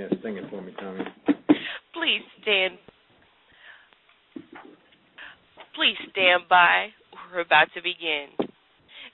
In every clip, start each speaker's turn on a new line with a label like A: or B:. A: Yes. Sing it for me, Tommy.
B: Please stand by. We're about to begin.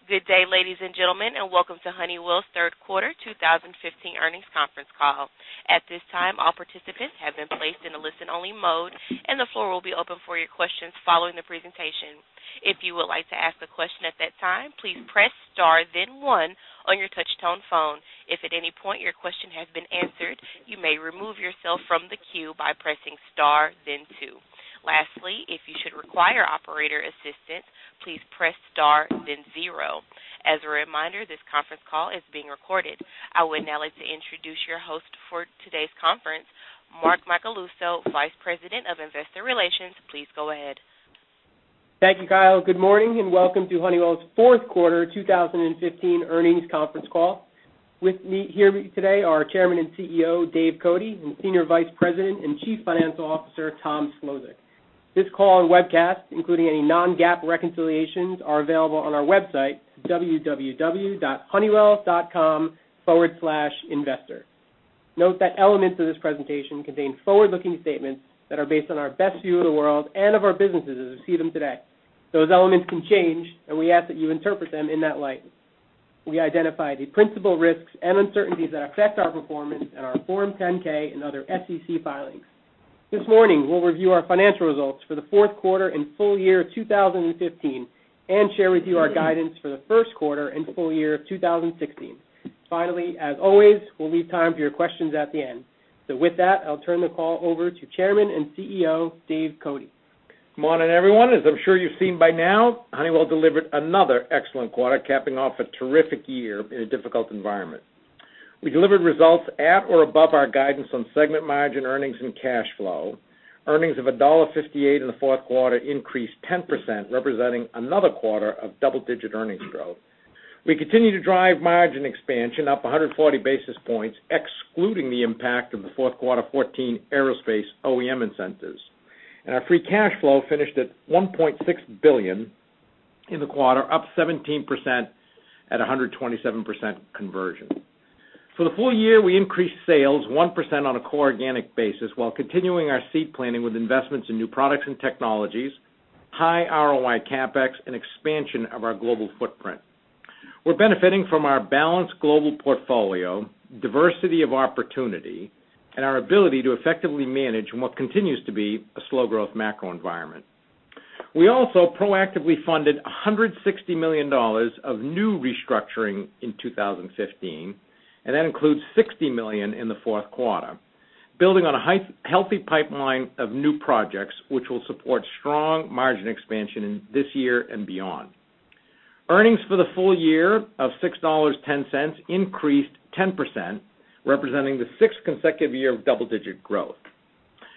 B: Good day, ladies and gentlemen, welcome to Honeywell's fourth quarter 2015 earnings conference call. At this time, all participants have been placed in a listen-only mode. The floor will be open for your questions following the presentation. If you would like to ask a question at that time, please press star then one on your touch-tone phone. If at any point your question has been answered, you may remove yourself from the queue by pressing star then two. Lastly, if you should require operator assistance, please press star then zero. As a reminder, this conference call is being recorded. I would now like to introduce your host for today's conference, Mark Macaluso, Vice President of Investor Relations. Please go ahead.
C: Thank you, Kyle. Good morning, welcome to Honeywell's fourth quarter 2015 earnings conference call. With me here today are Chairman and CEO, Dave Cote, and Senior Vice President and Chief Financial Officer, Tom Szlosek. This call and webcast, including any non-GAAP reconciliations, are available on our website, www.honeywell.com/investor. Note that elements of this presentation contain forward-looking statements that are based on our best view of the world and of our businesses as we see them today. Those elements can change, we ask that you interpret them in that light. We identify the principal risks and uncertainties that affect our performance in our Form 10-K and other SEC filings. This morning, we'll review our financial results for the fourth quarter and full year 2015, share with you our guidance for the first quarter and full year of 2016. Finally, as always, we'll leave time for your questions at the end. With that, I'll turn the call over to Chairman and CEO, Dave Cote.
A: Morning, everyone. As I'm sure you've seen by now, Honeywell delivered another excellent quarter, capping off a terrific year in a difficult environment. We delivered results at or above our guidance on segment margin earnings and cash flow. Earnings of $1.58 in the fourth quarter increased 10%, representing another quarter of double-digit earnings growth. We continue to drive margin expansion up 140 basis points, excluding the impact of the fourth quarter 14 aerospace OEM incentives. Our free cash flow finished at $1.6 billion in the quarter, up 17% at 127% conversion. For the full year, we increased sales 1% on a core organic basis while continuing our seed planting with investments in new products and technologies, high ROI CapEx, and expansion of our global footprint. We're benefiting from our balanced global portfolio, diversity of opportunity, and our ability to effectively manage in what continues to be a slow growth macro environment. We also proactively funded $160 million of new restructuring in 2015. That includes $60 million in the fourth quarter, building on a healthy pipeline of new projects, which will support strong margin expansion this year and beyond. Earnings for the full year of $6.10 increased 10%, representing the sixth consecutive year of double-digit growth.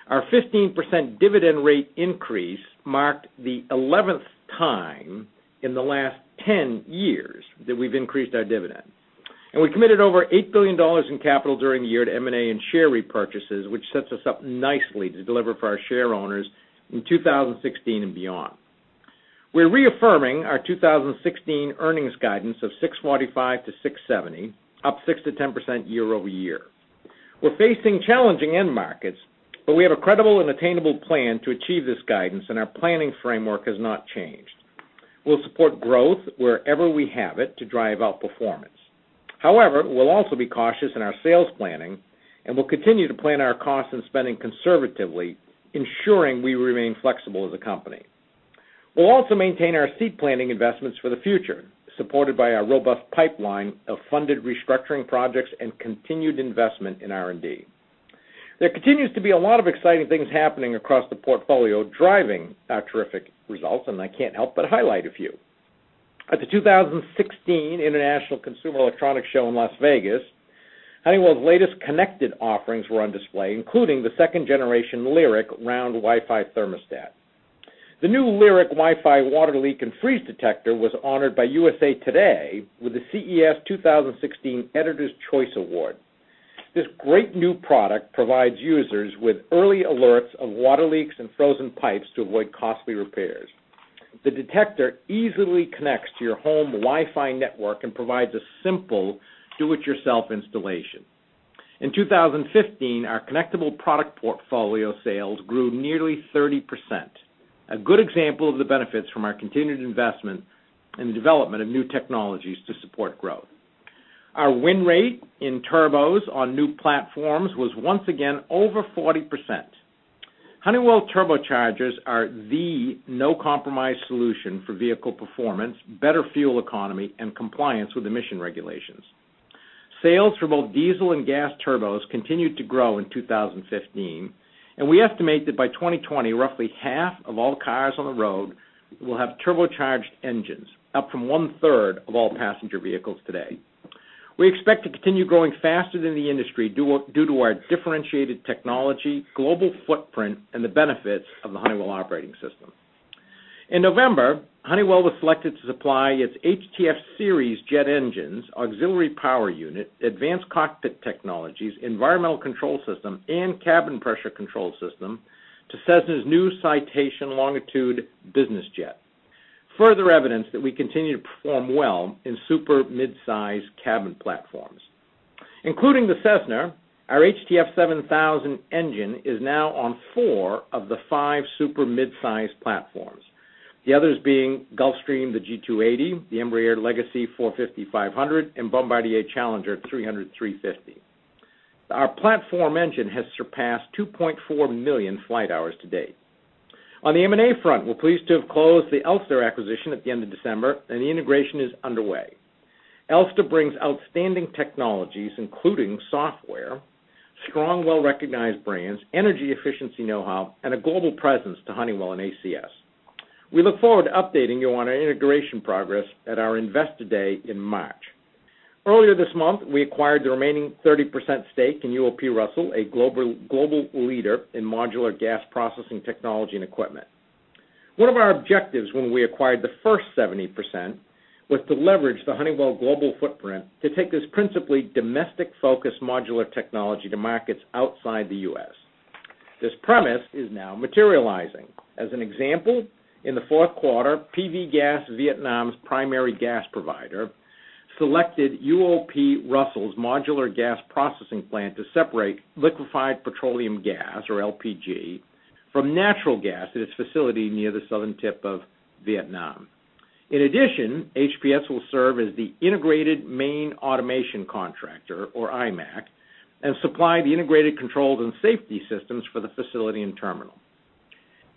A: Our 15% dividend rate increase marked the 11th time in the last 10 years that we've increased our dividend. We committed over $8 billion in capital during the year to M&A and share repurchases, which sets us up nicely to deliver for our shareowners in 2016 and beyond. We're reaffirming our 2016 earnings guidance of $6.45-$6.70, up 6%-10% year-over-year. We're facing challenging end markets. We have a credible and attainable plan to achieve this guidance. Our planning framework has not changed. We'll support growth wherever we have it to drive out performance. However, we'll also be cautious in our sales planning. We'll continue to plan our costs and spending conservatively, ensuring we remain flexible as a company. We'll also maintain our seed planting investments for the future, supported by our robust pipeline of funded restructuring projects and continued investment in R&D. There continues to be a lot of exciting things happening across the portfolio, driving our terrific results. I can't help but highlight a few. At the 2016 International Consumer Electronics Show in Las Vegas, Honeywell's latest connected offerings were on display, including the second generation Lyric Round Wi-Fi thermostat. The new Lyric Wi-Fi Water Leak and Freeze Detector was honored by USA Today with the CES 2016 Editors' Choice Award. This great new product provides users with early alerts of water leaks and frozen pipes to avoid costly repairs. The detector easily connects to your home Wi-Fi network and provides a simple do-it-yourself installation. In 2015, our connectable product portfolio sales grew nearly 30%, a good example of the benefits from our continued investment in the development of new technologies to support growth. Our win rate in turbos on new platforms was once again over 40%. Honeywell turbochargers are the no-compromise solution for vehicle performance, better fuel economy, and compliance with emission regulations. Sales for both diesel and gas turbos continued to grow in 2015. We estimate that by 2020, roughly half of all cars on the road will have turbocharged engines, up from one-third of all passenger vehicles today. We expect to continue growing faster than the industry due to our differentiated technology, global footprint, and the benefits of the Honeywell Operating System. In November, Honeywell was selected to supply its HTF series jet engines, auxiliary power unit, advanced cockpit technologies, environmental control system, and cabin pressure control system to Cessna's new Citation Longitude business jet. Further evidence that we continue to perform well in super midsize cabin platforms. Including the Cessna, our HTF7000 engine is now on four of the five super midsize platforms, the others being Gulfstream, the G280, the Embraer Legacy 450, 500, and Bombardier Challenger 300, 350. Our platform engine has surpassed 2.4 million flight hours to date. On the M&A front, we're pleased to have closed the Elster acquisition at the end of December. The integration is underway. Elster brings outstanding technologies, including software, strong, well-recognized brands, energy efficiency knowhow, and a global presence to Honeywell and ACS. We look forward to updating you on our integration progress at our Investor Day in March. Earlier this month, we acquired the remaining 30% stake in UOP Russell, a global leader in modular gas processing technology and equipment. One of our objectives when we acquired the first 70% was to leverage the Honeywell global footprint to take this principally domestic-focused modular technology to markets outside the U.S. This premise is now materializing. As an example, in the fourth quarter, PV GAS, Vietnam's primary gas provider, selected UOP Russell's modular gas processing plant to separate liquefied petroleum gas, or LPG, from natural gas at its facility near the southern tip of Vietnam. In addition, HPS will serve as the integrated main automation contractor, or IMAC, supply the integrated controls and safety systems for the facility and terminal.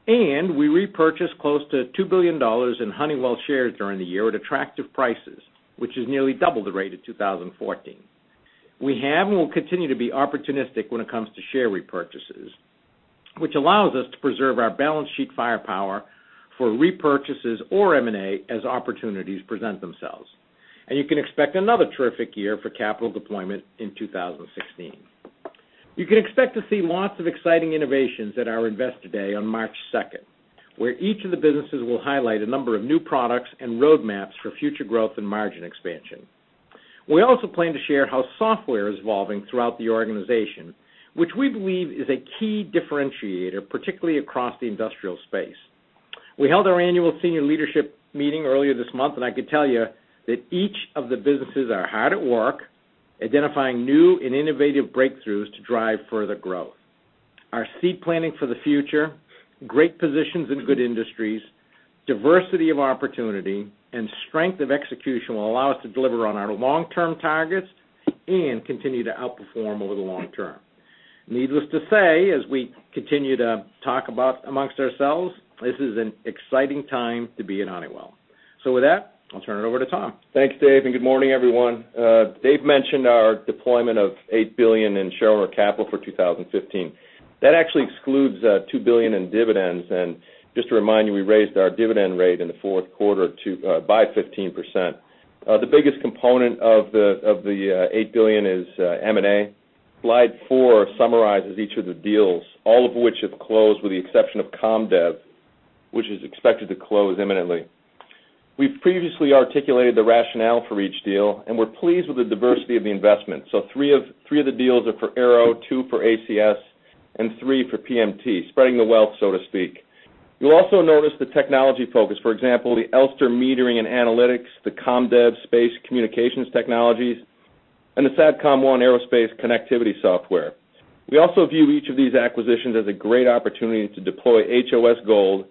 A: We repurchased close to $2 billion in Honeywell shares during the year at attractive prices, which is nearly double the rate of 2014. We have and will continue to be opportunistic when it comes to share repurchases, which allows us to preserve our balance sheet firepower for repurchases or M&A as opportunities present themselves. You can expect another terrific year for capital deployment in 2016. You can expect to see lots of exciting innovations at our Investor Day on March 2nd, where each of the businesses will highlight a number of new products and roadmaps for future growth and margin expansion. We also plan to share how software is evolving throughout the organization, which we believe is a key differentiator, particularly across the industrial space. We held our annual senior leadership meeting earlier this month. I can tell you that each of the businesses are hard at work identifying new and innovative breakthroughs to drive further growth. Our seed planning for the future, great positions in good industries, diversity of opportunity, and strength of execution will allow us to deliver on our long-term targets and continue to outperform over the long term. Needless to say, as we continue to talk amongst ourselves, this is an exciting time to be at Honeywell. With that, I'll turn it over to Tom.
D: Thanks, Dave, and good morning, everyone. Dave mentioned our deployment of $8 billion in shareholder capital for 2015. That actually excludes $2 billion in dividends. Just to remind you, we raised our dividend rate in the fourth quarter by 15%. The biggest component of the $8 billion is M&A. Slide four summarizes each of the deals, all of which have closed, with the exception of COM DEV, which is expected to close imminently. We've previously articulated the rationale for each deal, and we're pleased with the diversity of the investment. Three of the deals are for Aero, two for ACS, and three for PMT. Spreading the wealth, so to speak. You'll also notice the technology focus. For example, the Elster metering and analytics, the COM DEV space communications technologies, and the Satcom1 aerospace connectivity software. We also view each of these acquisitions as a great opportunity to deploy HOS Gold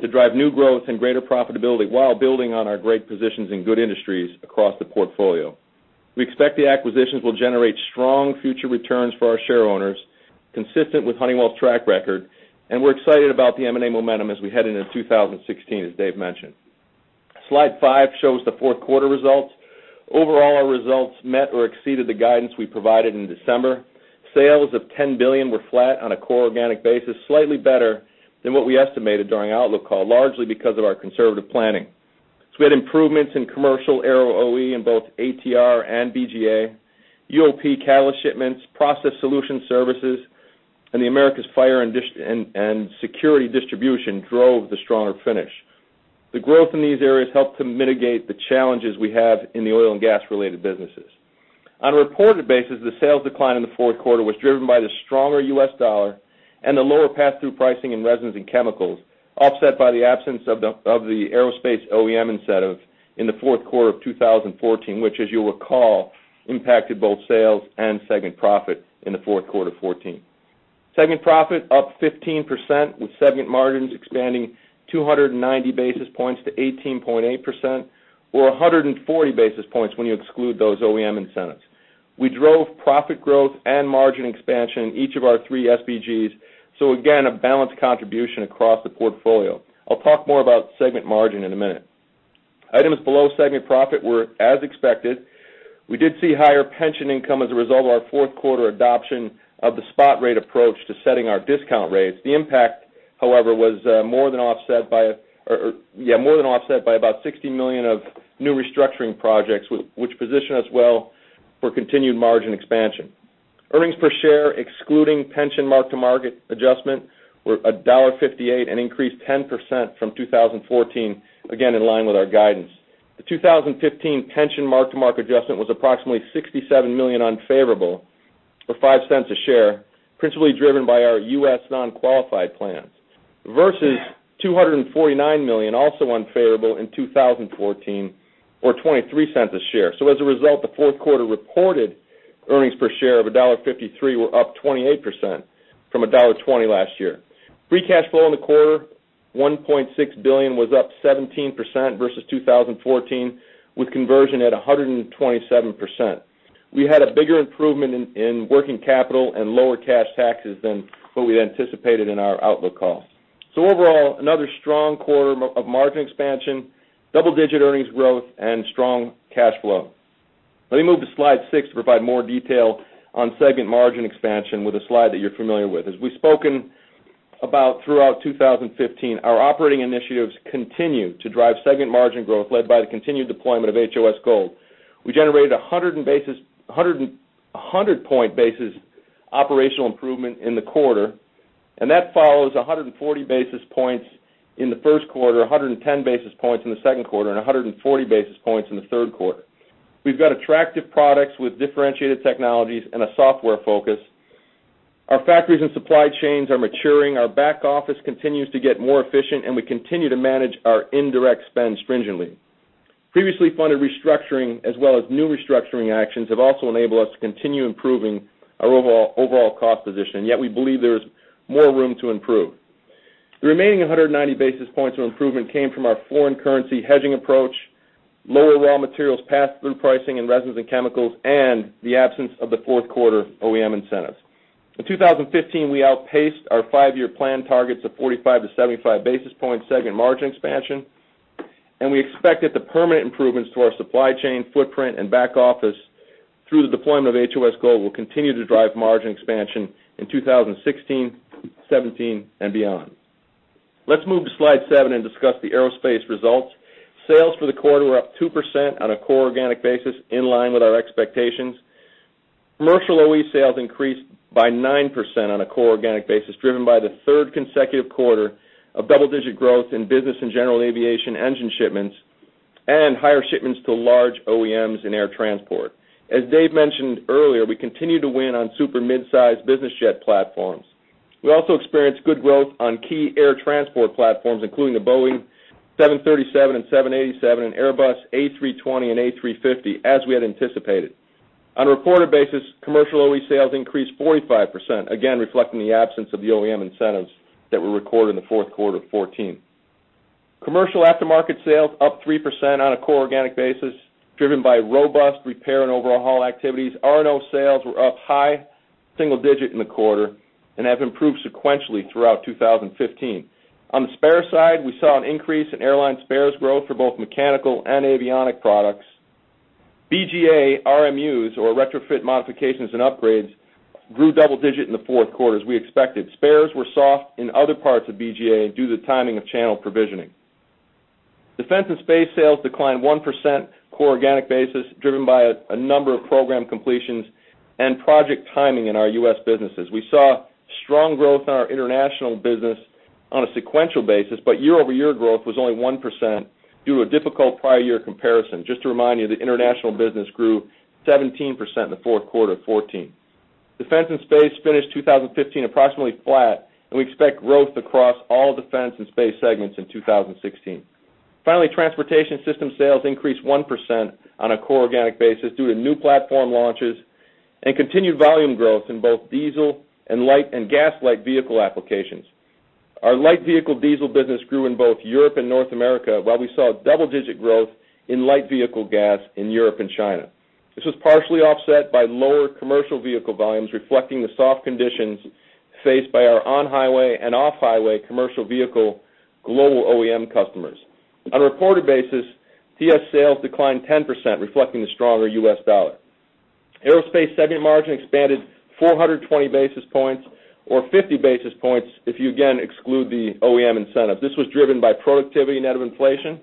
D: to drive new growth and greater profitability while building on our great positions in good industries across the portfolio. We expect the acquisitions will generate strong future returns for our shareholders, consistent with Honeywell's track record, and we're excited about the M&A momentum as we head into 2016, as Dave mentioned. Slide five shows the fourth quarter results. Overall, our results met or exceeded the guidance we provided in December. Sales of $10 billion were flat on a core organic basis, slightly better than what we estimated during our outlook call, largely because of our conservative planning. We had improvements in commercial Aero OE in both ATR and BGA, Honeywell UOP catalyst shipments, Honeywell Process Solutions services, and the Americas fire and security distribution drove the stronger finish. The growth in these areas helped to mitigate the challenges we have in the oil and gas-related businesses. On a reported basis, the sales decline in the fourth quarter was driven by the stronger US dollar and the lower pass-through pricing in resins and chemicals, offset by the absence of the aerospace OEM incentive in the fourth quarter of 2014, which, as you'll recall, impacted both sales and segment profit in the fourth quarter of 2014. Segment profit up 15%, with segment margins expanding 290 basis points to 18.8%, or 140 basis points when you exclude those OEM incentives. We drove profit growth and margin expansion in each of our three SBGs, so again, a balanced contribution across the portfolio. I'll talk more about segment margin in a minute. Items below segment profit were as expected. We did see higher pension income as a result of our fourth quarter adoption of the spot rate approach to setting our discount rates. The impact, however, was more than offset by about $60 million of new restructuring projects, which position us well for continued margin expansion. Earnings per share, excluding pension mark-to-market adjustment, were $1.58, an increase 10% from 2014, again, in line with our guidance. The 2015 pension mark-to-market adjustment was approximately $67 million unfavorable. $0.05 a share, principally driven by our U.S. non-qualified plans, versus $249 million, also unfavorable in 2014, or $0.23 a share. As a result, the fourth quarter reported earnings per share of $1.53 were up 28% from $1.20 last year. Free cash flow in the quarter, $1.6 billion, was up 17% versus 2014, with conversion at 127%. We had a bigger improvement in working capital and lower cash taxes than what we had anticipated in our outlook call. Overall, another strong quarter of margin expansion, double-digit earnings growth, and strong cash flow. Let me move to slide six to provide more detail on segment margin expansion with a slide that you're familiar with. As we've spoken about throughout 2015, our operating initiatives continue to drive segment margin growth, led by the continued deployment of HOS Gold. We generated 100 basis points operational improvement in the quarter, and that follows 140 basis points in the first quarter, 110 basis points in the second quarter, and 140 basis points in the third quarter. We've got attractive products with differentiated technologies and a software focus. Our factories and supply chains are maturing. Our back office continues to get more efficient, and we continue to manage our indirect spend stringently. Previously funded restructuring, as well as new restructuring actions, have also enabled us to continue improving our overall cost position. Yet, we believe there is more room to improve. The remaining 190 basis points of improvement came from our foreign currency hedging approach, lower raw materials passed through pricing in resins and chemicals, and the absence of the fourth quarter OEM incentives. In 2015, we outpaced our 5-year plan targets of 45-75 basis points segment margin expansion, and we expect that the permanent improvements to our supply chain footprint and back office through the deployment of HOS Gold will continue to drive margin expansion in 2016, 2017, and beyond. Let's move to slide seven and discuss the Aerospace results. Sales for the quarter were up 2% on a core organic basis, in line with our expectations. Commercial OE sales increased by 9% on a core organic basis, driven by the third consecutive quarter of double-digit growth in business and general aviation engine shipments and higher shipments to large OEMs in air transport. As Dave mentioned earlier, we continue to win on super midsize business jet platforms. We also experienced good growth on key air transport platforms, including the Boeing 737 and 787 and Airbus A320 and A350, as we had anticipated. On a reported basis, commercial OE sales increased 45%, again, reflecting the absence of the OEM incentives that were recorded in the fourth quarter of 2014. Commercial aftermarket sales up 3% on a core organic basis, driven by robust repair and overhaul activities. R&O sales were up high single digit in the quarter and have improved sequentially throughout 2015. On the spare side, we saw an increase in airline spares growth for both mechanical and avionic products. BGA RMUs, or retrofit modifications and upgrades, grew double-digit in the fourth quarter, as we expected. Spares were soft in other parts of BGA due to the timing of channel provisioning. Defense and space sales declined 1% core organic basis, driven by a number of program completions and project timing in our U.S. businesses. We saw strong growth in our international business on a sequential basis, but year-over-year growth was only 1% due to a difficult prior year comparison. Just to remind you, the international business grew 17% in the fourth quarter of 2014. Defense and space finished 2015 approximately flat, and we expect growth across all defense and space segments in 2016. Transportation system sales increased 1% on a core organic basis due to new platform launches and continued volume growth in both diesel and gas light vehicle applications. Our light vehicle diesel business grew in both Europe and North America, while we saw double-digit growth in light vehicle gas in Europe and China. This was partially offset by lower commercial vehicle volumes, reflecting the soft conditions faced by our on-highway and off-highway commercial vehicle global OEM customers. On a reported basis, TS sales declined 10%, reflecting the stronger U.S. dollar. Aerospace segment margin expanded 420 basis points, or 50 basis points, if you again exclude the OEM incentive. This was driven by productivity net of inflation,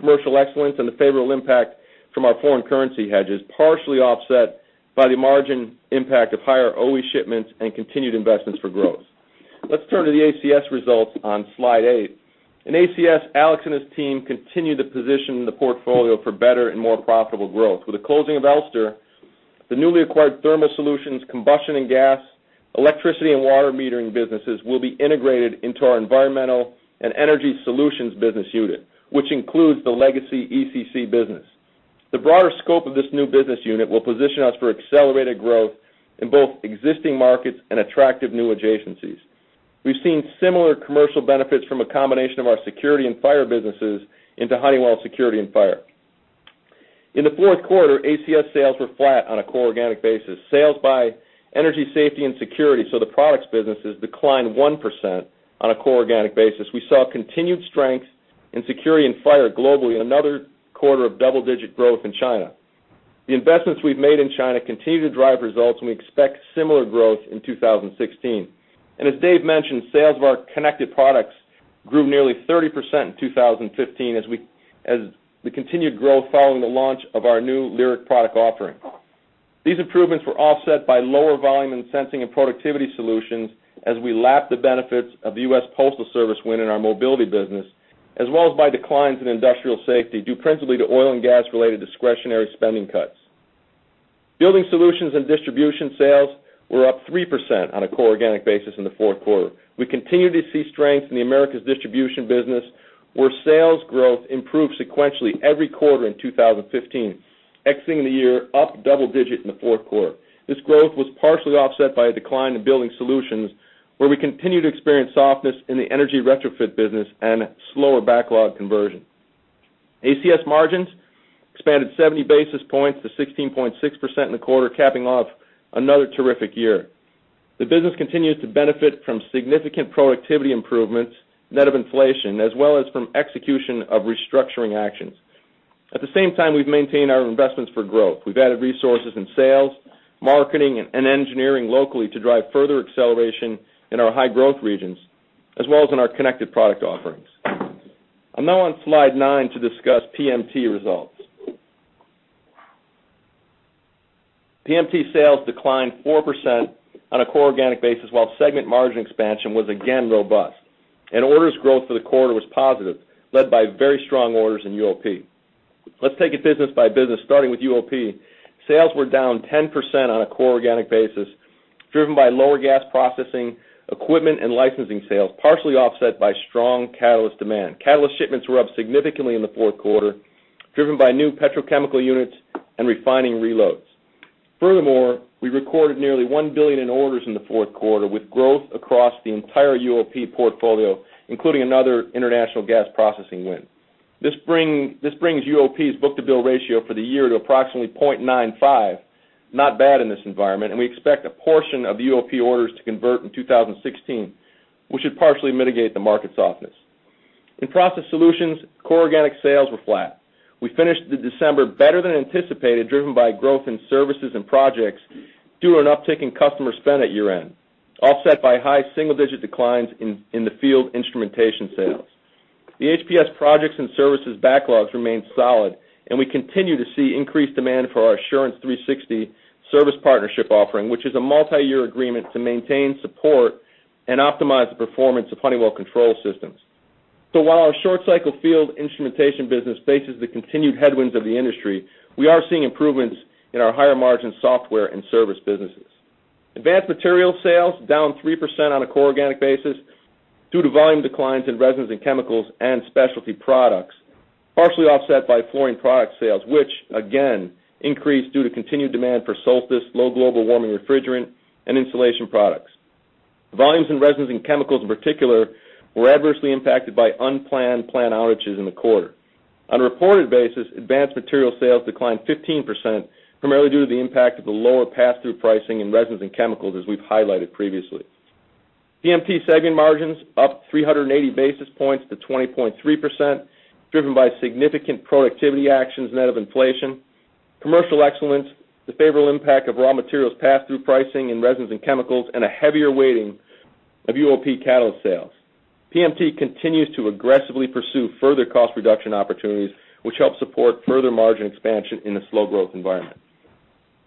D: commercial excellence, and the favorable impact from our foreign currency hedges, partially offset by the margin impact of higher OE shipments and continued investments for growth. Let's turn to the ACS results on slide eight. In ACS, Alex and his team continue to position the portfolio for better and more profitable growth. With the closing of Elster, the newly acquired thermal solutions, combustion and gas, electricity, and water metering businesses will be integrated into our Environmental and Energy Solutions business unit, which includes the legacy ECC business. The broader scope of this new business unit will position us for accelerated growth in both existing markets and attractive new adjacencies. We've seen similar commercial benefits from a combination of our security and fire businesses into Honeywell Security and Fire. In the fourth quarter, ACS sales were flat on a core organic basis. Sales by energy, safety, and security, so the products businesses, declined 1% on a core organic basis. We saw continued strength in security and fire globally and another quarter of double-digit growth in China. The investments we've made in China continue to drive results, and we expect similar growth in 2016. As Dave mentioned, sales of our connected products grew nearly 30% in 2015 as the continued growth following the launch of our new Lyric product offering. These improvements were offset by lower volume in Sensing and Productivity Solutions as we lapped the benefits of the United States Postal Service win in our mobility business as well as by declines in industrial safety, due principally to oil and gas-related discretionary spending cuts. Building Solutions and Distribution sales were up 3% on a core organic basis in the fourth quarter. We continue to see strength in the Americas Distribution business, where sales growth improved sequentially every quarter in 2015, exiting the year up double-digits in the fourth quarter. This growth was partially offset by a decline in Building Solutions, where we continue to experience softness in the energy retrofit business and slower backlog conversion. ACS margins expanded 70 basis points to 16.6% in the quarter, capping off another terrific year. The business continues to benefit from significant productivity improvements, net of inflation, as well as from execution of restructuring actions. At the same time, we've maintained our investments for growth. We've added resources in sales, marketing, and engineering locally to drive further acceleration in our high-growth regions, as well as in our connected product offerings. I'm now on slide 9 to discuss PMT results. PMT sales declined 4% on a core organic basis, while segment margin expansion was again robust, and orders growth for the quarter was positive, led by very strong orders in UOP. Let's take it business by business, starting with UOP. Sales were down 10% on a core organic basis, driven by lower gas processing, equipment, and licensing sales, partially offset by strong catalyst demand. Catalyst shipments were up significantly in the fourth quarter, driven by new petrochemical units and refining reloads. Furthermore, we recorded nearly $1 billion in orders in the fourth quarter, with growth across the entire UOP portfolio, including another international gas processing win. This brings UOP's book-to-bill ratio for the year to approximately 0.95. Not bad in this environment, and we expect a portion of UOP orders to convert in 2016, which should partially mitigate the market softness. In Process Solutions, core organic sales were flat. We finished the December better than anticipated, driven by growth in services and projects due to an uptick in customer spend at year-end, offset by high single-digit declines in the field instrumentation sales. The HPS projects and services backlogs remain solid, and we continue to see increased demand for our Assurance 360 service partnership offering, which is a multi-year agreement to maintain, support, and optimize the performance of Honeywell control systems. While our short-cycle field instrumentation business faces the continued headwinds of the industry, we are seeing improvements in our higher-margin software and service businesses. Advanced Materials sales down 3% on a core organic basis due to volume declines in resins and chemicals and specialty products, partially offset by fluorine product sales, which, again, increased due to continued demand for Solstice, low global warming refrigerant, and insulation products. Volumes in resins and chemicals, in particular, were adversely impacted by unplanned plant outages in the quarter. On a reported basis, Advanced Materials sales declined 15%, primarily due to the impact of the lower pass-through pricing in resins and chemicals, as we've highlighted previously. PMT segment margins up 380 basis points to 20.3%, driven by significant productivity actions net of inflation, commercial excellence, the favorable impact of raw materials pass-through pricing in resins and chemicals, and a heavier weighting of UOP catalyst sales. PMT continues to aggressively pursue further cost reduction opportunities, which help support further margin expansion in this slow-growth environment.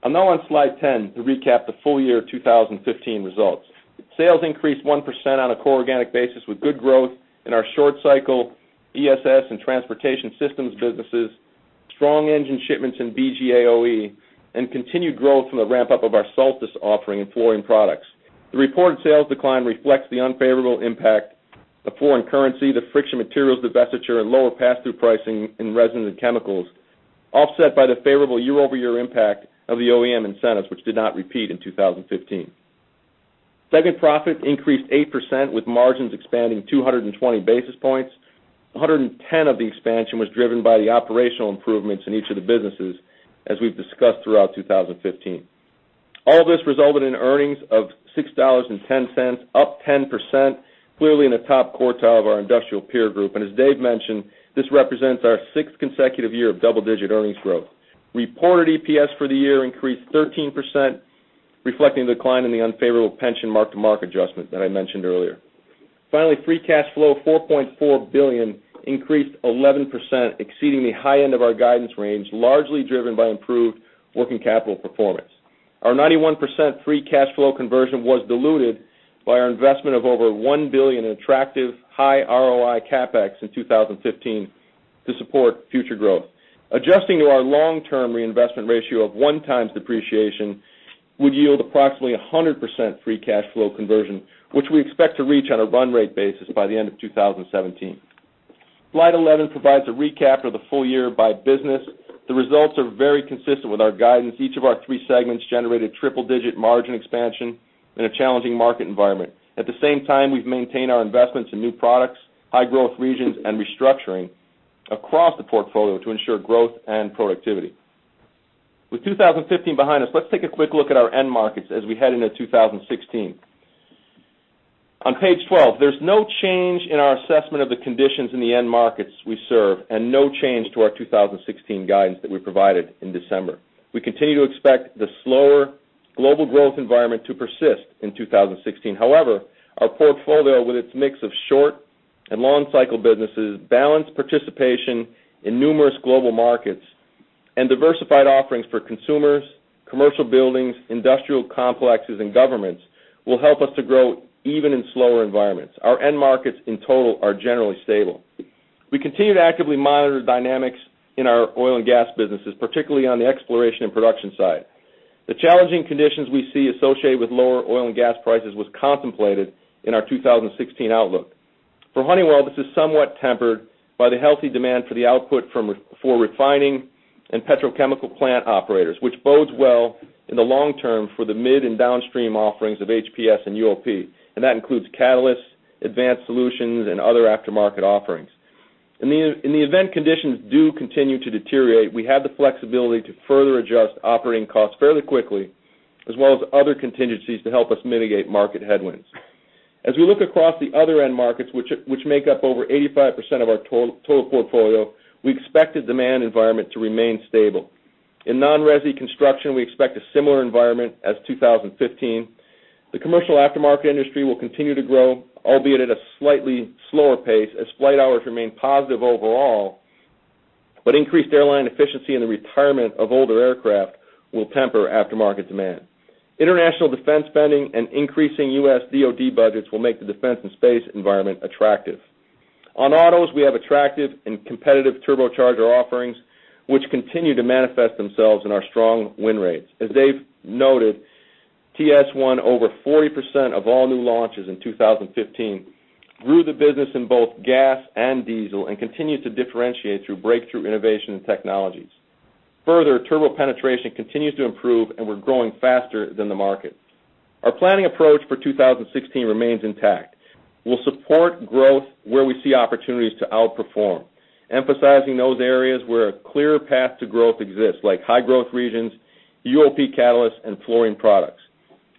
D: I'm now on slide 10 to recap the full year 2015 results. Sales increased 1% on a core organic basis, with good growth in our short cycle, ESS, and transportation systems businesses, strong engine shipments in BGA OE, and continued growth from the ramp-up of our Solstice offering in fluorine products. The reported sales decline reflects the unfavorable impact of foreign currency, the friction materials divestiture, and lower pass-through pricing in resins and chemicals, offset by the favorable year-over-year impact of the OEM incentives, which did not repeat in 2015. Segment profits increased 8%, with margins expanding 220 basis points. 110 of the expansion was driven by the operational improvements in each of the businesses, as we've discussed throughout 2015. All this resulted in earnings of $6.10, up 10%, clearly in the top quartile of our industrial peer group. As Dave mentioned, this represents our sixth consecutive year of double-digit earnings growth. Reported EPS for the year increased 13%, reflecting the decline in the unfavorable pension mark-to-market adjustment that I mentioned earlier. Finally, free cash flow, $4.4 billion, increased 11%, exceeding the high end of our guidance range, largely driven by improved working capital performance. Our 91% free cash flow conversion was diluted by our investment of over $1 billion in attractive, high ROI CapEx in 2015 to support future growth. Adjusting to our long-term reinvestment ratio of one times depreciation would yield approximately 100% free cash flow conversion, which we expect to reach on a run-rate basis by the end of 2017. Slide 11 provides a recap of the full year by business. The results are very consistent with our guidance. Each of our three segments generated triple-digit margin expansion in a challenging market environment. At the same time, we've maintained our investments in new products, high-growth regions, and restructuring across the portfolio to ensure growth and productivity. With 2015 behind us, let's take a quick look at our end markets as we head into 2016. On page 12, there's no change in our assessment of the conditions in the end markets we serve and no change to our 2016 guidance that we provided in December. We continue to expect the slower global growth environment to persist in 2016. However, our portfolio, with its mix of short and long-cycle businesses, balanced participation in numerous global markets, diversified offerings for consumers, commercial buildings, industrial complexes, and governments will help us to grow even in slower environments. Our end markets in total are generally stable. We continue to actively monitor dynamics in our oil and gas businesses, particularly on the exploration and production side. The challenging conditions we see associated with lower oil and gas prices was contemplated in our 2016 outlook. For Honeywell, this is somewhat tempered by the healthy demand for the output for refining and petrochemical plant operators, which bodes well in the long term for the mid and downstream offerings of HPS and UOP. That includes catalysts, advanced solutions, and other aftermarket offerings. In the event conditions do continue to deteriorate, we have the flexibility to further adjust operating costs fairly quickly, as well as other contingencies to help us mitigate market headwinds. As we look across the other end markets, which make up over 85% of our total portfolio, we expect the demand environment to remain stable. In non-resi construction, we expect a similar environment as 2015. The commercial aftermarket industry will continue to grow, albeit at a slightly slower pace as flight hours remain positive overall, but increased airline efficiency and the retirement of older aircraft will temper aftermarket demand. International defense spending and increasing U.S. DoD budgets will make the defense and space environment attractive. On autos, we have attractive and competitive turbocharger offerings, which continue to manifest themselves in our strong win rates. As Dave noted, TS won over 40% of all new launches in 2015, grew the business in both gas and diesel, and continued to differentiate through breakthrough innovation and technologies. Further, turbo penetration continues to improve, and we're growing faster than the market. Our planning approach for 2016 remains intact. We'll support growth where we see opportunities to outperform, emphasizing those areas where a clear path to growth exists, like high growth regions, UOP catalyst, and fluorine products.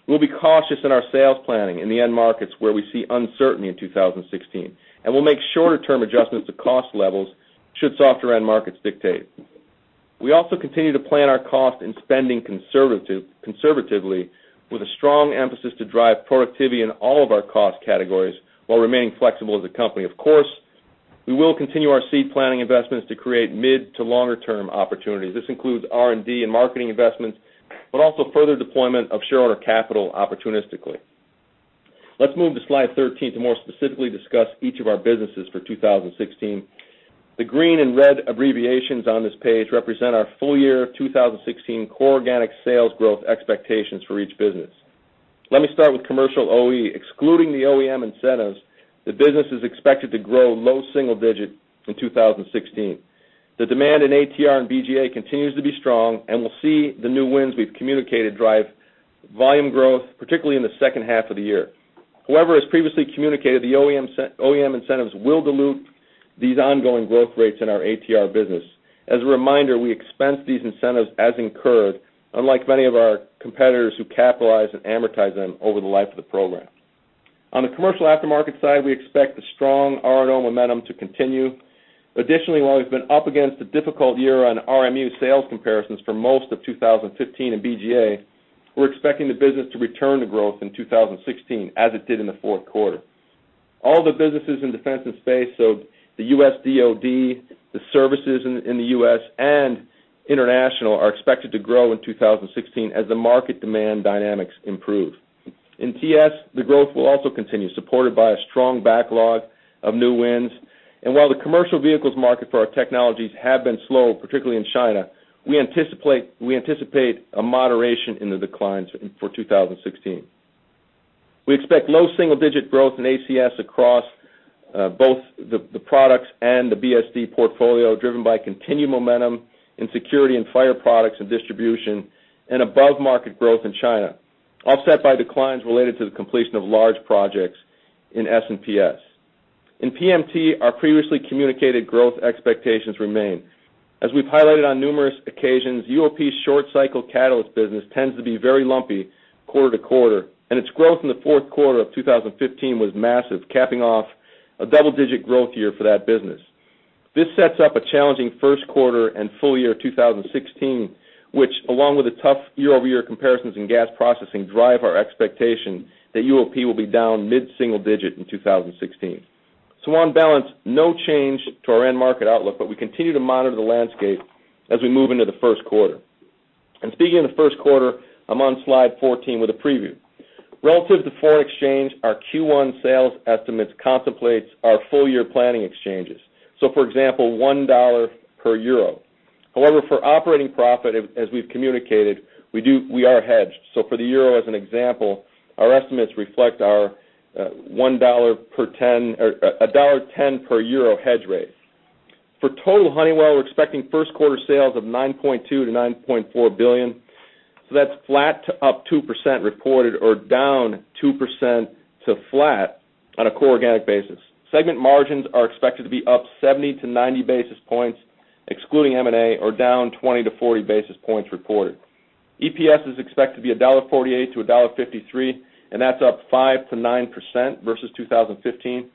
D: We'll be cautious in our sales planning in the end markets where we see uncertainty in 2016, and we'll make shorter-term adjustments to cost levels should softer end markets dictate. We also continue to plan our cost and spending conservatively with a strong emphasis to drive productivity in all of our cost categories while remaining flexible as a company. Of course, we will continue our seed planning investments to create mid to longer-term opportunities. This includes R&D and marketing investments, but also further deployment of shareholder capital opportunistically. Let's move to slide 13 to more specifically discuss each of our businesses for 2016. The green and red abbreviations on this page represent our full year 2016 core organic sales growth expectations for each business. Let me start with commercial OE. Excluding the OEM incentives, the business is expected to grow low single digit in 2016. The demand in ATR and BGA continues to be strong, and we'll see the new wins we've communicated drive volume growth, particularly in the second half of the year. However, as previously communicated, the OEM incentives will dilute these ongoing growth rates in our ATR business. As a reminder, we expense these incentives as incurred, unlike many of our competitors who capitalize and amortize them over the life of the program. On the commercial aftermarket side, we expect the strong R&O momentum to continue. Additionally, while we've been up against a difficult year on RMUs sales comparisons for most of 2015 in BGA, we're expecting the business to return to growth in 2016 as it did in the fourth quarter. All the businesses in defense and space, so the U.S. DoD, the services in the U.S., and international, are expected to grow in 2016 as the market demand dynamics improve. In TS, the growth will also continue, supported by a strong backlog of new wins. While the commercial vehicles market for our technologies have been slow, particularly in China, we anticipate a moderation in the declines for 2016. We expect low single-digit growth in ACS across both the products and the BSD portfolio, driven by continued momentum in security and fire products and distribution and above-market growth in China, offset by declines related to the completion of large projects in S&PS. In PMT, our previously communicated growth expectations remain. As we've highlighted on numerous occasions, UOP's short-cycle catalyst business tends to be very lumpy quarter to quarter, and its growth in the fourth quarter of 2015 was massive, capping off a double-digit growth year for that business. This sets up a challenging first quarter and full year 2016, which along with the tough year-over-year comparisons in gas processing, drive our expectation that UOP will be down mid-single digit in 2016. On balance, no change to our end market outlook, but we continue to monitor the landscape as we move into the first quarter. Speaking of the first quarter, I am on slide 14 with a preview. Relative to foreign exchange, our Q1 sales estimates contemplate our full-year planning exchanges. For example, $1 per euro. However, for operating profit, as we have communicated, we are hedged. For the euro, as an example, our estimates reflect our $1.10 per euro hedge rate. For total Honeywell, we are expecting first quarter sales of $9.2 billion-$9.4 billion. That is flat to up 2% reported or down 2% to flat on a core organic basis. Segment margins are expected to be up 70-90 basis points, excluding M&A, or down 20-40 basis points reported. EPS is expected to be $1.48-$1.53, and that is up 5%-9% versus 2015,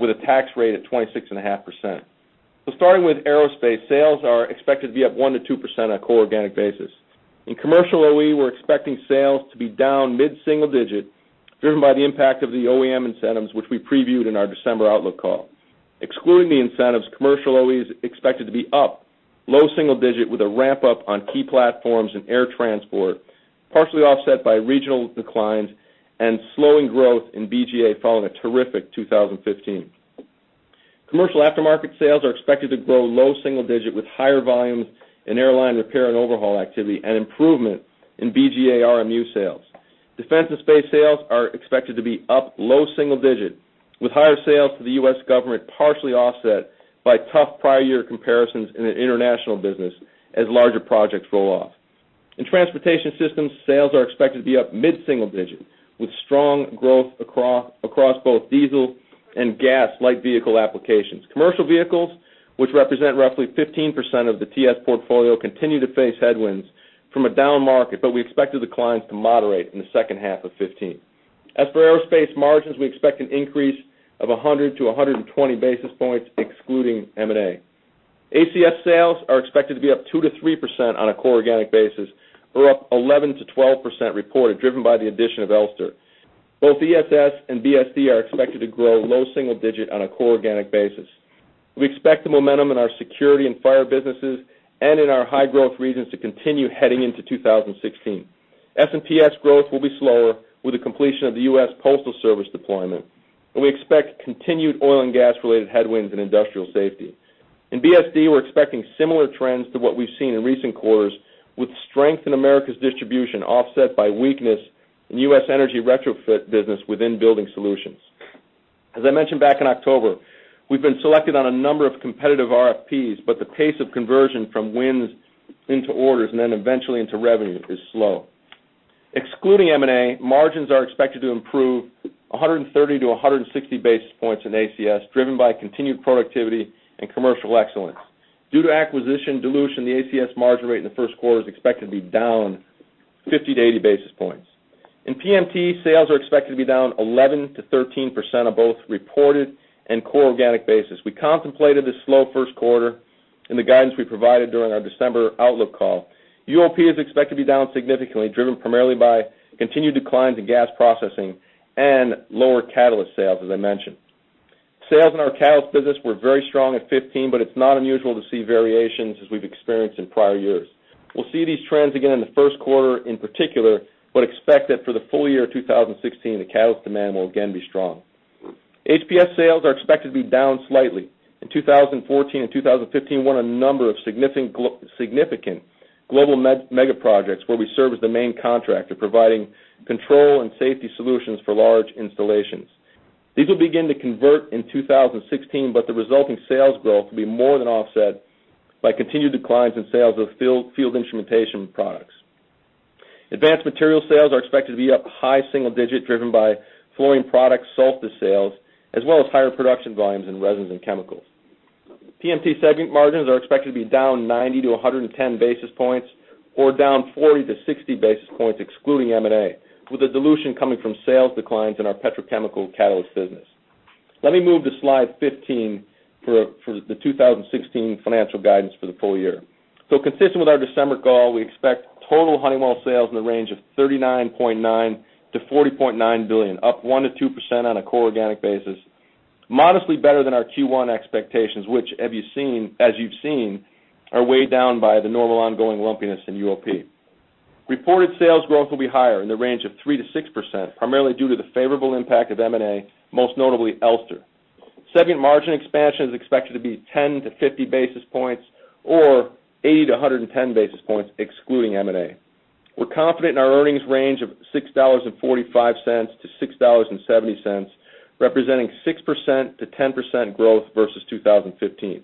D: with a tax rate at 26.5%. Starting with Aerospace, sales are expected to be up 1%-2% on a core organic basis. In commercial OE, we are expecting sales to be down mid-single digit. Driven by the impact of the OEM incentives, which we previewed in our December outlook call. Excluding the incentives, commercial OE is expected to be up low single digit with a ramp-up on key platforms and air transport, partially offset by regional declines and slowing growth in BGA following a terrific 2015. Commercial aftermarket sales are expected to grow low single digit with higher volumes in airline repair and overhaul activity and improvement in BGA RMU sales. Defense and space sales are expected to be up low single digit, with higher sales to the U.S. government partially offset by tough prior year comparisons in the international business as larger projects roll off. In transportation systems, sales are expected to be up mid-single digit, with strong growth across both diesel and gas light vehicle applications. Commercial vehicles, which represent roughly 15% of the TS portfolio, continue to face headwinds from a down market, but we expect the declines to moderate in the second half of 2015. As for Aerospace margins, we expect an increase of 100-120 basis points excluding M&A. ACS sales are expected to be up 2%-3% on a core organic basis, or up 11%-12% reported, driven by the addition of Elster. Both ESS and BSD are expected to grow low single digit on a core organic basis. We expect the momentum in our security and fire businesses and in our high-growth regions to continue heading into 2016. S&PS growth will be slower with the completion of the United States Postal Service deployment, and we expect continued oil and gas-related headwinds in industrial safety. In BSD, we are expecting similar trends to what we have seen in recent quarters, with strength in Americas distribution offset by weakness in U.S. energy retrofit business within Building Solutions. As I mentioned back in October, we have been selected on a number of competitive RFPs, but the pace of conversion from wins into orders and then eventually into revenue is slow. Excluding M&A, margins are expected to improve 130-160 basis points in ACS, driven by continued productivity and commercial excellence. Due to acquisition dilution, the ACS margin rate in the first quarter is expected to be down 50-80 basis points. In PMT, sales are expected to be down 11%-13% on both reported and core organic basis. We contemplated this slow first quarter in the guidance we provided during our December outlook call. UOP is expected to be down significantly, driven primarily by continued declines in gas processing and lower catalyst sales, as I mentioned. Sales in our catalyst business were very strong at 15%, but it's not unusual to see variations as we've experienced in prior years. We'll see these trends again in the first quarter in particular, but expect that for the full year 2016, the catalyst demand will again be strong. Honeywell Process Solutions sales are expected to be down slightly. In 2014 and 2015, we won a number of significant global mega projects where we serve as the main contractor, providing control and safety solutions for large installations. These will begin to convert in 2016, but the resulting sales growth will be more than offset by continued declines in sales of field instrumentation products. Advanced materials sales are expected to be up high single digit, driven by fluorine product Solstice sales, as well as higher production volumes in resins and chemicals. Performance Materials and Technologies segment margins are expected to be down 90-110 basis points, or down 40-60 basis points excluding M&A, with the dilution coming from sales declines in our petrochemical catalyst business. Let me move to slide 15 for the 2016 financial guidance for the full year. Consistent with our December call, we expect total Honeywell sales in the range of $39.9 billion-$40.9 billion, up 1%-2% on a core organic basis. Modestly better than our Q1 expectations, which as you've seen, are way down by the normal ongoing lumpiness in Honeywell UOP. Reported sales growth will be higher in the range of 3%-6%, primarily due to the favorable impact of M&A, most notably Elster. Segment margin expansion is expected to be 10-50 basis points, or 80-110 basis points excluding M&A. We're confident in our earnings range of $6.45-$6.70, representing 6%-10% growth versus 2015.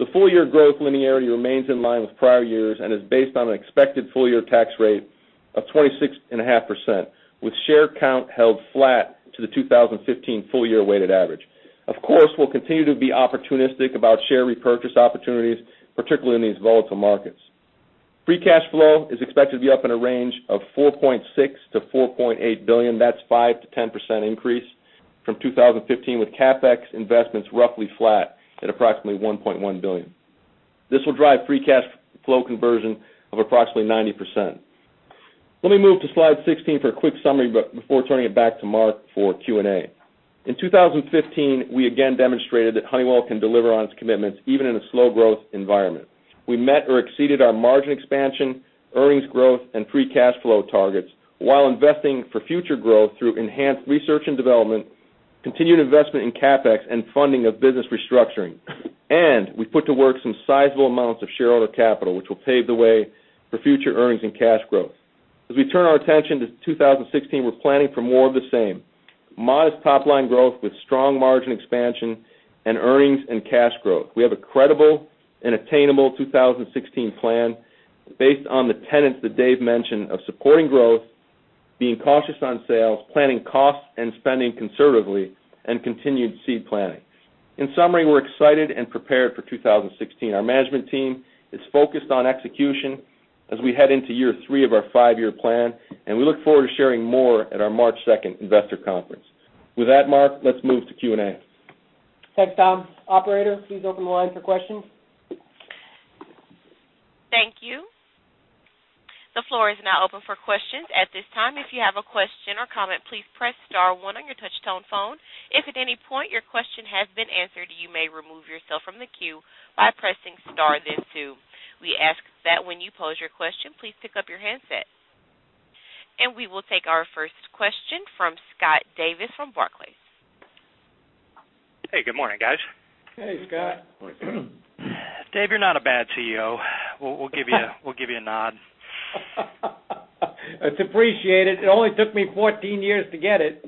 D: The full-year growth linearity remains in line with prior years and is based on an expected full-year tax rate of 26.5%, with share count held flat to the 2015 full-year weighted average. Of course, we'll continue to be opportunistic about share repurchase opportunities, particularly in these volatile markets. Free cash flow is expected to be up in a range of $4.6 billion-$4.8 billion. That's 5%-10% increase from 2015, with CapEx investments roughly flat at approximately $1.1 billion. This will drive free cash flow conversion of approximately 90%. Let me move to slide 16 for a quick summary before turning it back to Mark for Q&A. In 2015, we again demonstrated that Honeywell can deliver on its commitments, even in a slow growth environment. We met or exceeded our margin expansion, earnings growth, and free cash flow targets while investing for future growth through enhanced research and development, continued investment in CapEx, and funding of business restructuring. We put to work some sizable amounts of shareholder capital, which will pave the way for future earnings and cash growth. As we turn our attention to 2016, we're planning for more of the same. Modest top-line growth with strong margin expansion and earnings and cash growth. We have a credible and attainable 2016 plan based on the tenets that Dave mentioned of supporting growth, being cautious on sales, planning costs and spending conservatively, and continued seed planning. In summary, we're excited and prepared for 2016. Our management team is focused on execution as we head into year three of our five-year plan, and we look forward to sharing more at our March 2nd investor conference. With that, Mark, let's move to Q&A.
C: Thanks, Tom. Operator, please open the line for questions.
B: Thank you. The floor is now open for questions. At this time, if you have a question or comment, please press star one on your touch-tone phone. If at any point your question has been answered, you may remove yourself from the queue by pressing star then two. We ask that when you pose your question, please pick up your handset. We will take our first question from Scott Davis from Barclays.
E: Hey, good morning, guys.
A: Hey, Scott.
D: Hey.
E: Dave, you're not a bad CEO. We'll give you a nod.
A: It's appreciated. It only took me 14 years to get it.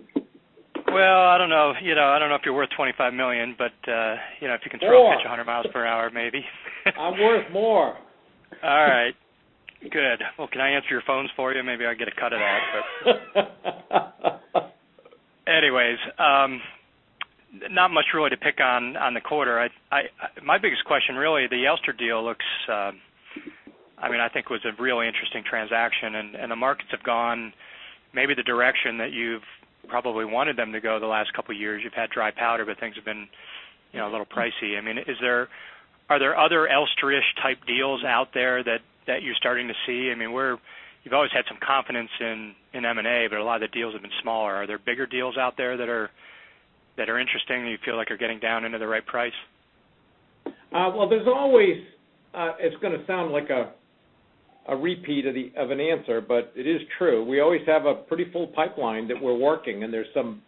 E: I don't know if you're worth $25 million.
A: More
E: if you can still pitch 100 miles per hour, maybe.
A: I'm worth more.
E: All right. Good. Well, can I answer your phones for you? Maybe I'd get a cut of that, but anyway, not much really to pick on the quarter. My biggest question really, the Elster deal, I think was a really interesting transaction, and the markets have gone maybe the direction that you've probably wanted them to go the last couple of years. You've had dry powder, but things have been a little pricey. Are there other Elster-ish type deals out there that you're starting to see? You've always had some confidence in M&A, but a lot of the deals have been smaller. Are there bigger deals out there that are interesting, and you feel like are getting down into the right price?
A: Well, it's going to sound like a repeat of an answer, but it is true. We always have a pretty full pipeline that we're working, and there's some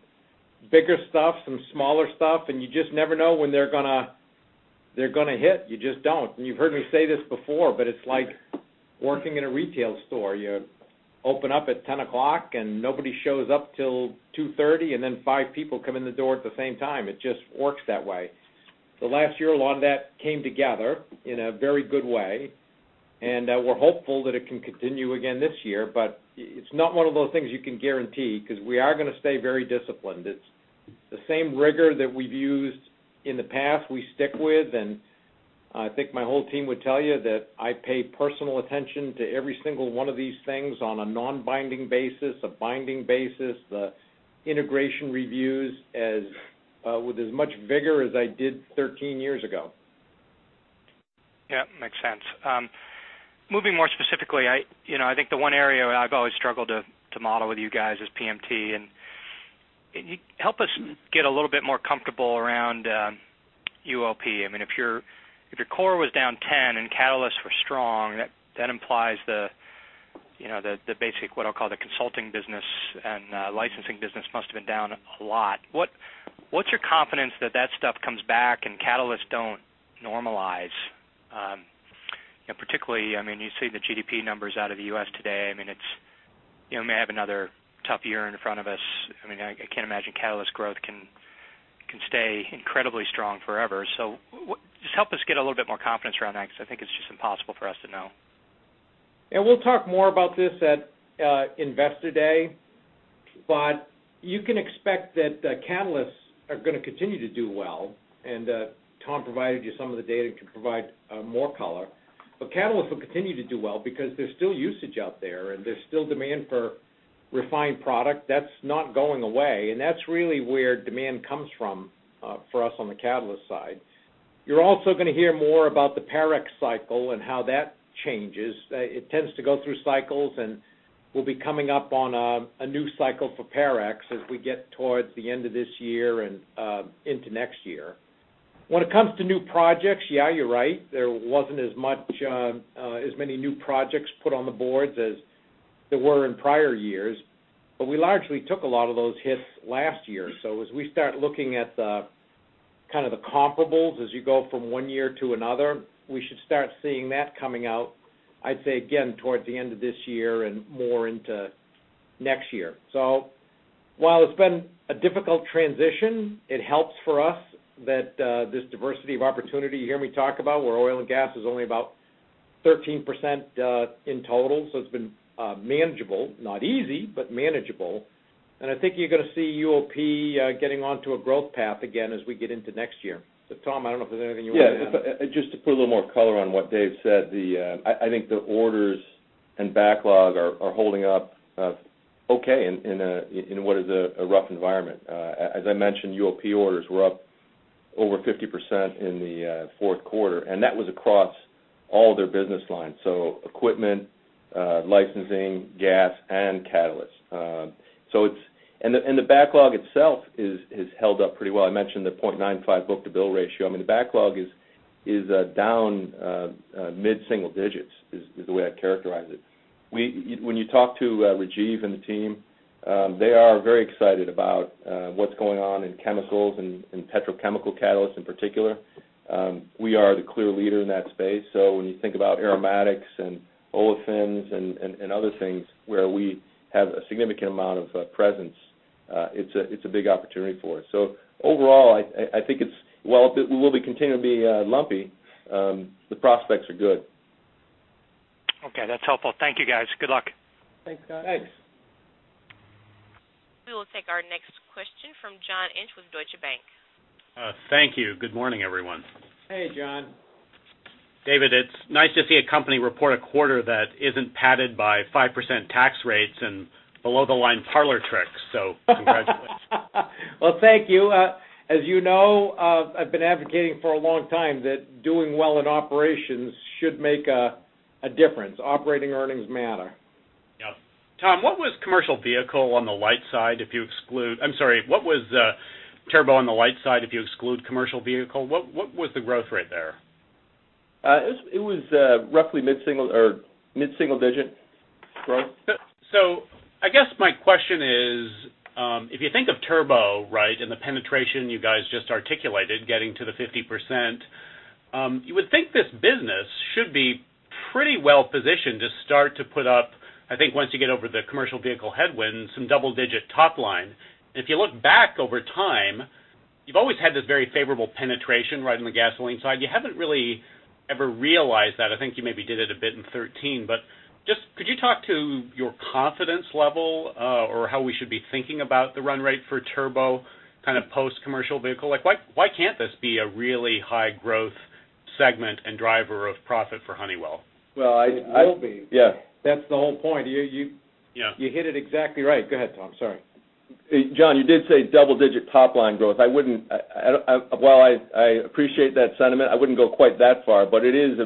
A: bigger stuff, some smaller stuff, and you just never know when they're going to hit. You just don't. You've heard me say this before, but it's like working in a retail store. You open up at 10:00, and nobody shows up till 2:30, and then five people come in the door at the same time. It just works that way. Last year, a lot of that came together in a very good way, and we're hopeful that it can continue again this year. It's not one of those things you can guarantee because we are going to stay very disciplined. It's the same rigor that we've used in the past, we stick with. I think my whole team would tell you that I pay personal attention to every single one of these things on a non-binding basis, a binding basis, the integration reviews, with as much vigor as I did 13 years ago.
E: Yeah, makes sense. Moving more specifically, I think the one area I've always struggled to model with you guys is PMT. Help us get a little bit more comfortable around UOP. If your core was down 10 and catalysts were strong, that implies the basic, what I'll call the consulting business and licensing business must have been down a lot. What's your confidence that stuff comes back and catalysts don't normalize? Particularly, you see the GDP numbers out of the U.S. today, we may have another tough year in front of us. I can't imagine catalyst growth can stay incredibly strong forever. Just help us get a little bit more confidence around that, because I think it's just impossible for us to know.
A: We'll talk more about this at Investor Day. You can expect that the catalysts are going to continue to do well. Tom provided you some of the data, he can provide more color. Catalysts will continue to do well because there's still usage out there, and there's still demand for refined product. That's not going away, and that's really where demand comes from for us on the catalyst side. You're also going to hear more about the Parex cycle and how that changes. It tends to go through cycles, and we'll be coming up on a new cycle for Parex as we get towards the end of this year and into next year. When it comes to new projects, yeah you're right. There wasn't as many new projects put on the boards as there were in prior years. We largely took a lot of those hits last year. As we start looking at the comparables as you go from one year to another, we should start seeing that coming out, I'd say again towards the end of this year and more into next year. While it's been a difficult transition, it helps for us that this diversity of opportunity you hear me talk about, where oil and gas is only about 13% in total, so it's been manageable. Not easy, but manageable. I think you're going to see UOP getting onto a growth path again as we get into next year. Tom, I don't know if there's anything you want to add.
D: Yeah. Just to put a little more color on what Dave said, I think the orders and backlog are holding up okay in what is a rough environment. As I mentioned, UOP orders were up over 50% in the fourth quarter, and that was across all their business lines. Equipment, licensing, gas, and catalysts. The backlog itself has held up pretty well. I mentioned the 0.95 book-to-bill ratio. The backlog is down mid-single digits, is the way I'd characterize it. When you talk to Rajiv and the team, they are very excited about what's going on in chemicals and petrochemical catalysts in particular. We are the clear leader in that space. When you think about aromatics and olefins and other things where we have a significant amount of presence, it's a big opportunity for us. Overall, while it will continue to be lumpy, the prospects are good.
E: Okay. That's helpful. Thank you, guys. Good luck.
A: Thanks, Scott.
B: Thanks. We will take our next question from John Inch with Deutsche Bank.
F: Thank you. Good morning, everyone.
A: Hey, John.
F: David, it's nice to see a company report a quarter that isn't padded by 5% tax rates and below-the-line parlor tricks. Congratulations.
A: Well, thank you. As you know, I've been advocating for a long time that doing well in operations should make a difference. Operating earnings matter.
F: Yep. Tom, what was turbo on the light side if you exclude commercial vehicle? What was the growth rate there?
D: It was roughly mid-single digit growth.
F: I guess my question is, if you think of turbo and the penetration you guys just articulated, getting to the 50%, you would think this business should be pretty well-positioned to start to put up, I think once you get over the commercial vehicle headwinds, some double-digit top line. If you look back over time, you've always had this very favorable penetration right on the gasoline side. You haven't really ever realized that. I think you maybe did it a bit in 2013, just could you talk to your confidence level, or how we should be thinking about the run rate for turbo, kind of post commercial vehicle? Why can't this be a really high growth segment and driver of profit for Honeywell?
A: Well,
D: It will be.
A: Yeah. That's the whole point.
F: Yeah.
A: You hit it exactly right. Go ahead, Tom. Sorry.
D: John, you did say double-digit top line growth. While I appreciate that sentiment, I wouldn't go quite that far, they do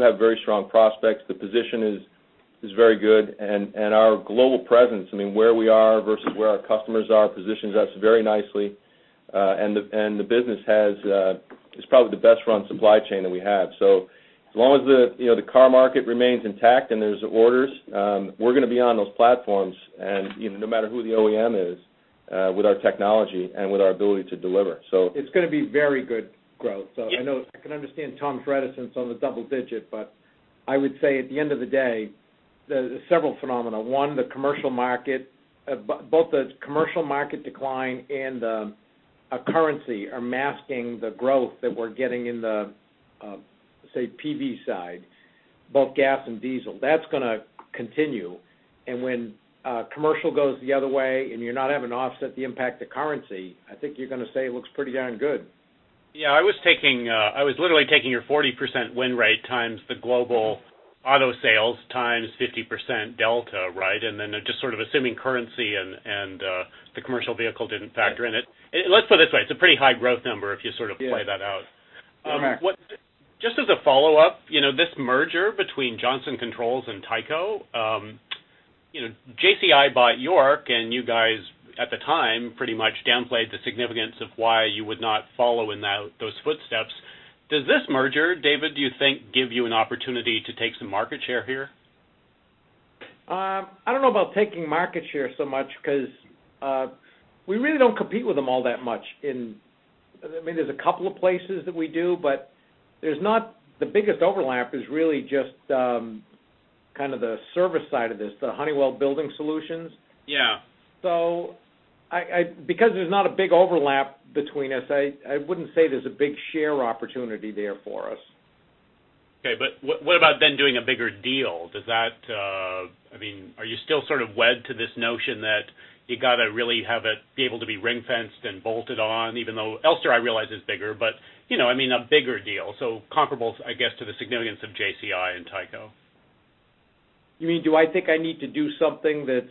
D: have very strong prospects. The position is very good, our global presence, where we are versus where our customers are, positions us very nicely. The business is probably the best run supply chain that we have. As long as the car market remains intact and there's orders, we're going to be on those platforms and no matter who the OEM is, with our technology and with our ability to deliver.
A: It's going to be very good growth.
D: Yeah.
A: I know I can understand Tom's reticence on the double-digit, I would say at the end of the day, there's several phenomena. One, both the commercial market decline and the currency are masking the growth that we're getting in the, say, PV side, both gas and diesel. That's going to continue. When commercial goes the other way and you're not having to offset the impact of currency, I think you're going to say it looks pretty darn good.
F: Yeah, I was literally taking your 40% win rate times the global auto sales times 50% delta, then just sort of assuming currency and the commercial vehicle didn't factor in it. Let's put it this way, it's a pretty high growth number if you sort of play that out.
A: Yeah. You're right.
F: Just as a follow-up, this merger between Johnson Controls and Tyco. JCI bought York and you guys, at the time, pretty much downplayed the significance of why you would not follow in those footsteps. Does this merger, David, do you think give you an opportunity to take some market share here?
A: I don't know about taking market share so much because we really don't compete with them all that much in There's a couple of places that we do, but the biggest overlap is really just kind of the service side of this, the Honeywell Building Solutions.
F: Yeah.
A: Because there's not a big overlap between us, I wouldn't say there's a big share opportunity there for us.
F: Okay, what about then doing a bigger deal? Are you still sort of wed to this notion that you got to really have it be able to be ring-fenced and bolted on, even though Elster, I realize, is bigger, but a bigger deal, so comparable, I guess, to the significance of JCI and Tyco.
A: You mean, do I think I need to do something that's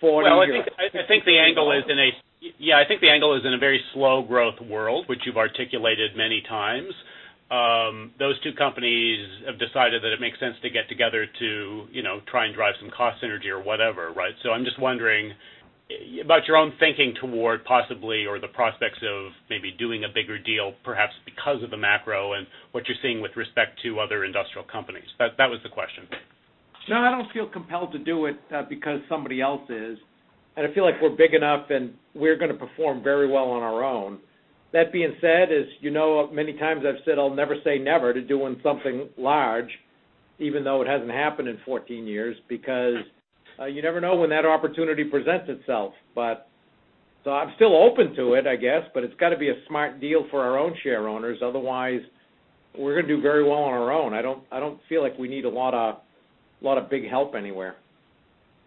A: 40 here?
F: Well, I think the angle is in a very slow growth world, which you've articulated many times. Those two companies have decided that it makes sense to get together to try and drive some cost synergy or whatever. I'm just wondering about your own thinking toward possibly, or the prospects of maybe doing a bigger deal, perhaps because of the macro and what you're seeing with respect to other industrial companies. That was the question.
A: No, I don't feel compelled to do it because somebody else is. I feel like we're big enough and we're going to perform very well on our own. That being said, as you know, many times I've said I'll never say never to doing something large, even though it hasn't happened in 14 years, because you never know when that opportunity presents itself. I'm still open to it, I guess. It's got to be a smart deal for our own shareowners. Otherwise, we're going to do very well on our own. I don't feel like we need a lot of big help anywhere.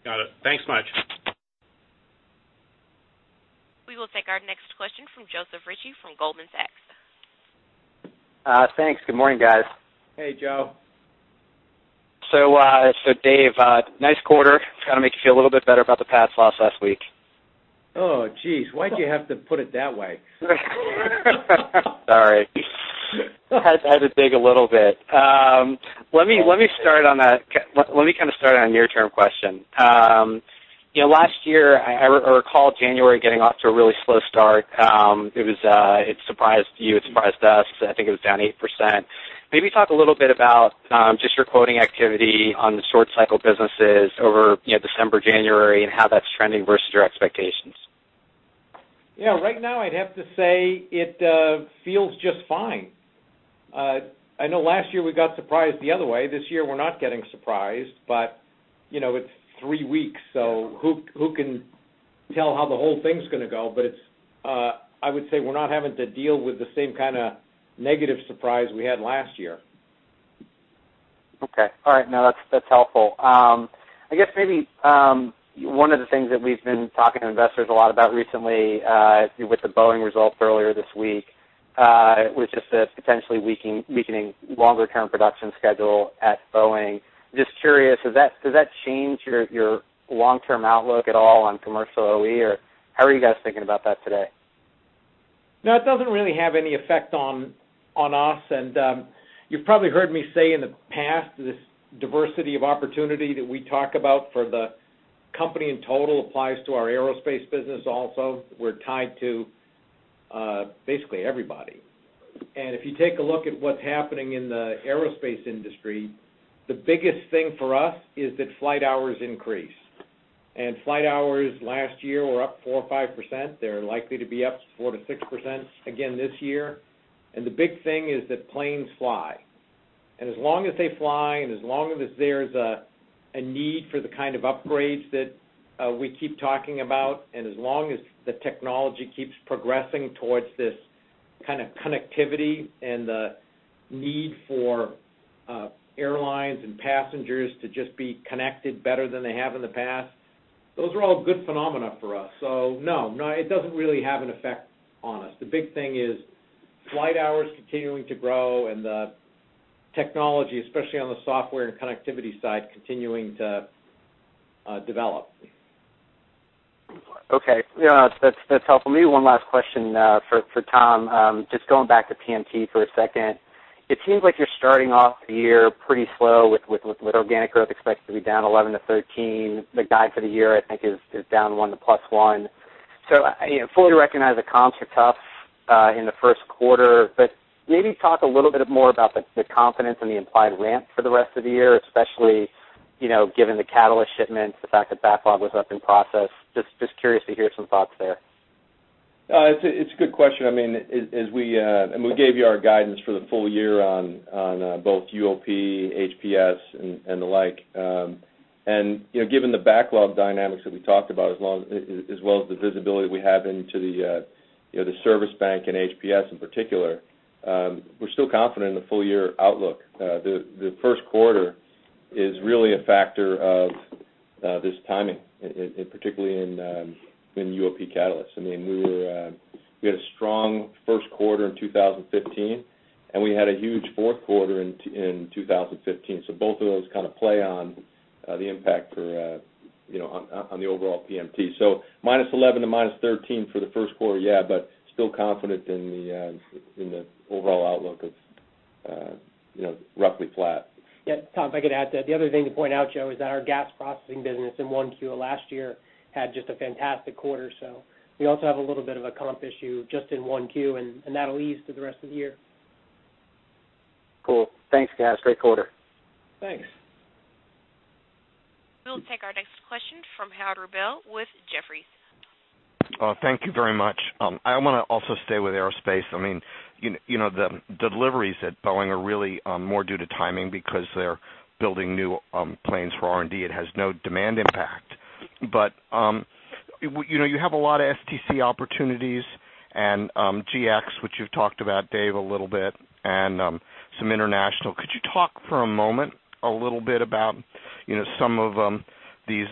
F: Got it. Thanks much.
B: We will take our next question from Joe Ritchie from Goldman Sachs.
G: Thanks. Good morning, guys.
A: Hey, Joe.
G: Dave, nice quarter. It's got to make you feel a little bit better about the past loss last week.
A: Jeez. Why'd you have to put it that way?
G: Sorry. I had to dig a little bit. Let me kind of start on a near-term question. Last year, I recall January getting off to a really slow start. It surprised you, it surprised us. I think it was down 8%. Maybe talk a little bit about just your quoting activity on the short cycle businesses over December, January, and how that's trending versus your expectations.
A: Yeah. Right now, I'd have to say it feels just fine. I know last year we got surprised the other way. This year we're not getting surprised, but it's three weeks, so who can tell how the whole thing's going to go? I would say we're not having to deal with the same kind of negative surprise we had last year.
G: Okay. All right. No, that's helpful. I guess maybe one of the things that we've been talking to investors a lot about recently, with the Boeing results earlier this week with just a potentially weakening longer-term production schedule at Boeing. Just curious, does that change your long-term outlook at all on commercial OE, or how are you guys thinking about that today?
A: No, it doesn't really have any effect on us. You've probably heard me say in the past, this diversity of opportunity that we talk about for the company in total applies to our aerospace business also. We're tied to basically everybody. If you take a look at what's happening in the aerospace industry, the biggest thing for us is that flight hours increase. Flight hours last year were up 4% or 5%. They're likely to be up 4% to 6% again this year. The big thing is that planes fly. As long as they fly, and as long as there's a need for the kind of upgrades that we keep talking about, and as long as the technology keeps progressing towards this kind of connectivity and the need for airlines and passengers to just be connected better than they have in the past, those are all good phenomena for us. No, it doesn't really have an effect on us. The big thing is flight hours continuing to grow and the technology, especially on the software and connectivity side, continuing to develop.
G: Okay. Yeah, that's helpful. Maybe one last question for Tom. Just going back to PMT for a second. It seems like you're starting off the year pretty slow with organic growth expected to be down 11% to 13%. The guide for the year, I think, is down 1% to +1%. I fully recognize the comps are tough in the first quarter, but maybe talk a little bit more about the confidence and the implied ramp for the rest of the year, especially, given the Catalyst shipments, the fact that backlog was up [in process]. Just curious to hear some thoughts there.
D: It's a good question. We gave you our guidance for the full year on both UOP, HPS, and the like. Given the backlog dynamics that we talked about, as well as the visibility we have into the service bank and HPS in particular, we're still confident in the full-year outlook. The first quarter is really a factor of this timing, particularly in UOP Catalysts. We had a strong first quarter in 2015, and we had a huge fourth quarter in 2015. Both of those kind of play on the impact on the overall PMT. Minus 11% to -13% for the first quarter, yeah, but still confident in the overall outlook of roughly flat.
C: Yeah, Tom, if I could add to that. The other thing to point out, Joe, is that our gas processing business in 1Q last year had just a fantastic quarter. We also have a little bit of a comp issue just in 1Q, and that'll ease through the rest of the year.
G: Cool. Thanks, guys. Great quarter.
D: Thanks.
B: We'll take our next question from Howard Rubel with Jefferies.
H: Thank you very much. I want to also stay with Aerospace. The deliveries at Boeing are really more due to timing because they're building new planes for R&D. It has no demand impact. You have a lot of STC opportunities and GX, which you've talked about, Dave, a little bit, and some international. Could you talk for a moment a little bit about some of these,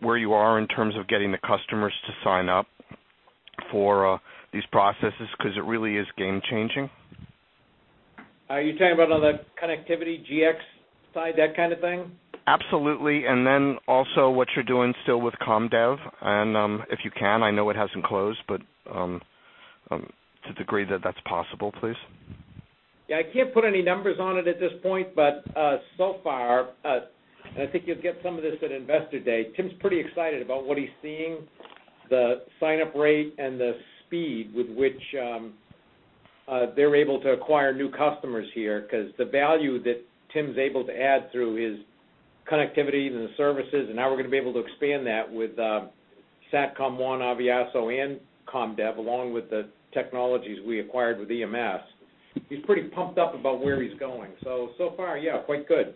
H: where you are in terms of getting the customers to sign up for these processes? Because it really is game changing.
A: Are you talking about on the connectivity, GX side, that kind of thing?
H: Absolutely, then also what you're doing still with COM DEV. If you can, I know it hasn't closed, to the degree that that's possible, please.
A: Yeah, I can't put any numbers on it at this point, so far, I think you'll get some of this at Investor Day. Tim's pretty excited about what he's seeing, the sign-up rate and the speed with which they're able to acquire new customers here, because the value that Tim's able to add through his connectivity and the services, and now we're going to be able to expand that with Satcom1, Aviaso, and COM DEV, along with the technologies we acquired with EMS. He's pretty pumped up about where he's going. So far, yeah, quite good.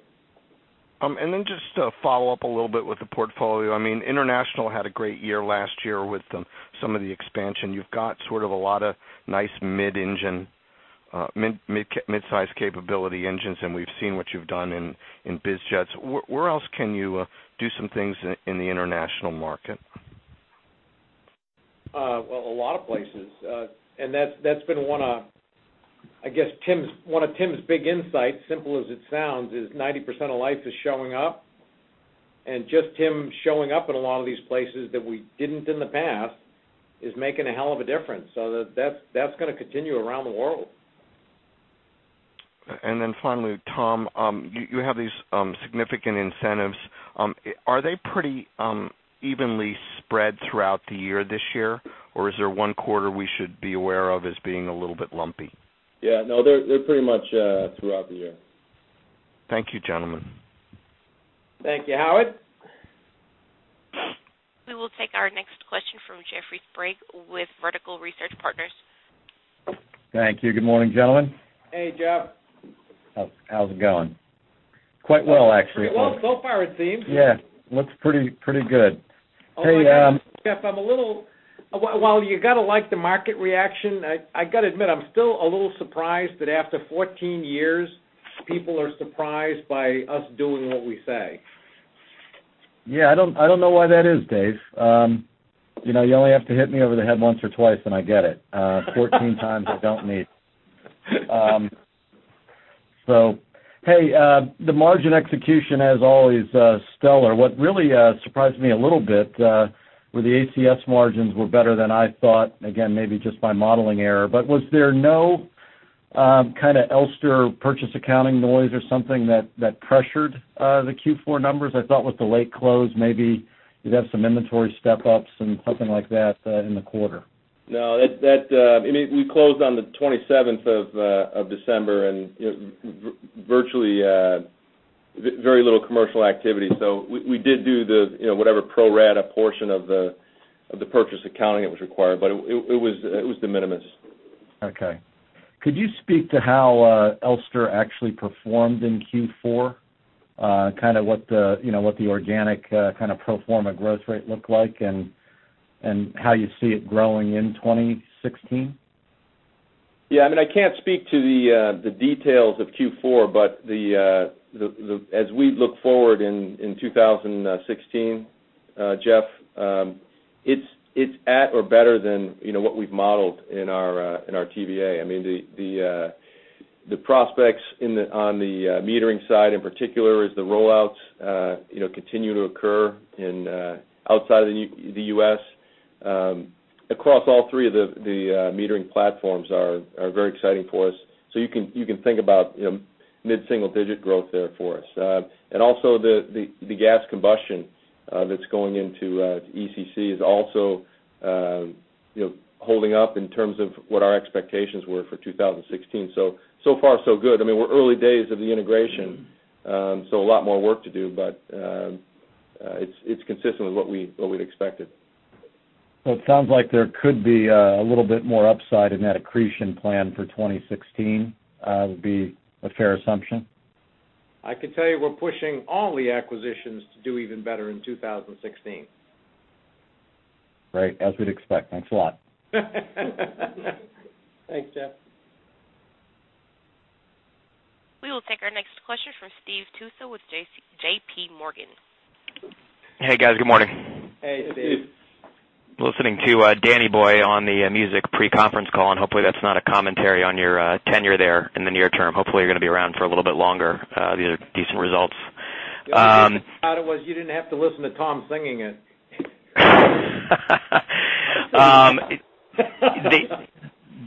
H: Just to follow up a little bit with the portfolio. International had a great year last year with some of the expansion. You've got sort of a lot of nice mid-size capability engines, and we've seen what you've done in biz jets. Where else can you do some things in the international market?
A: Well, a lot of places. That's been one of Tim's big insights, simple as it sounds, is 90% of life is showing up. Just him showing up in a lot of these places that we didn't in the past is making a hell of a difference. That's going to continue around the world.
H: Finally, Tom, you have these significant incentives. Are they pretty evenly spread throughout the year this year, or is there one quarter we should be aware of as being a little bit lumpy?
D: Yeah. No, they're pretty much throughout the year.
H: Thank you, gentlemen.
A: Thank you, Howard.
B: We will take our next question from Jeffrey Sprague with Vertical Research Partners.
I: Thank you. Good morning, gentlemen.
A: Hey, Jeff.
I: How's it going?
G: Quite well, actually.
A: Well, so far it seems.
I: Yeah. Looks pretty good.
A: Jeff, while you got to like the market reaction, I got to admit, I'm still a little surprised that after 14 years, people are surprised by us doing what we say.
I: Yeah, I don't know why that is, Dave. You only have to hit me over the head once or twice, and I get it. 14 times, I don't need. Hey, the margin execution, as always, stellar. What really surprised me a little bit were the ACS margins were better than I thought. Again, maybe just my modeling error, but was there no kind of Elster purchase accounting noise or something that pressured the Q4 numbers? I thought with the late close, maybe you'd have some inventory step-ups and something like that in the quarter.
D: No. We closed on the 27th of December, and virtually very little commercial activity. We did do whatever pro rata portion of the purchase accounting that was required, but it was de minimis.
I: Okay. Could you speak to how Elster actually performed in Q4? Kind of what the organic kind of pro forma growth rate looked like and how you see it growing in 2016?
D: Yeah. I can't speak to the details of Q4. As we look forward in 2016, Jeff, it's at or better than what we've modeled in our TBA. The prospects on the metering side, in particular, as the rollouts continue to occur outside of the U.S., across all three of the metering platforms are very exciting for us. You can think about mid-single-digit growth there for us. Also the gas combustion that's going into ECC is also holding up in terms of what our expectations were for 2016. So far, so good. We're early days of the integration, a lot more work to do, it's consistent with what we'd expected.
I: It sounds like there could be a little bit more upside in that accretion plan for 2016. Would be a fair assumption?
D: I can tell you we're pushing all the acquisitions to do even better in 2016.
I: Great, as we'd expect. Thanks a lot.
D: Thanks, Jeff.
B: We will take our next question from Steve Tusa with J.P. Morgan.
J: Hey, guys. Good morning.
D: Hey, Steve.
J: Listening to Danny Boy on the music pre-conference call, hopefully that's not a commentary on your tenure there in the near term. Hopefully, you're going to be around for a little bit longer. These are decent results.
D: The only good part was you didn't have to listen to Tom singing it.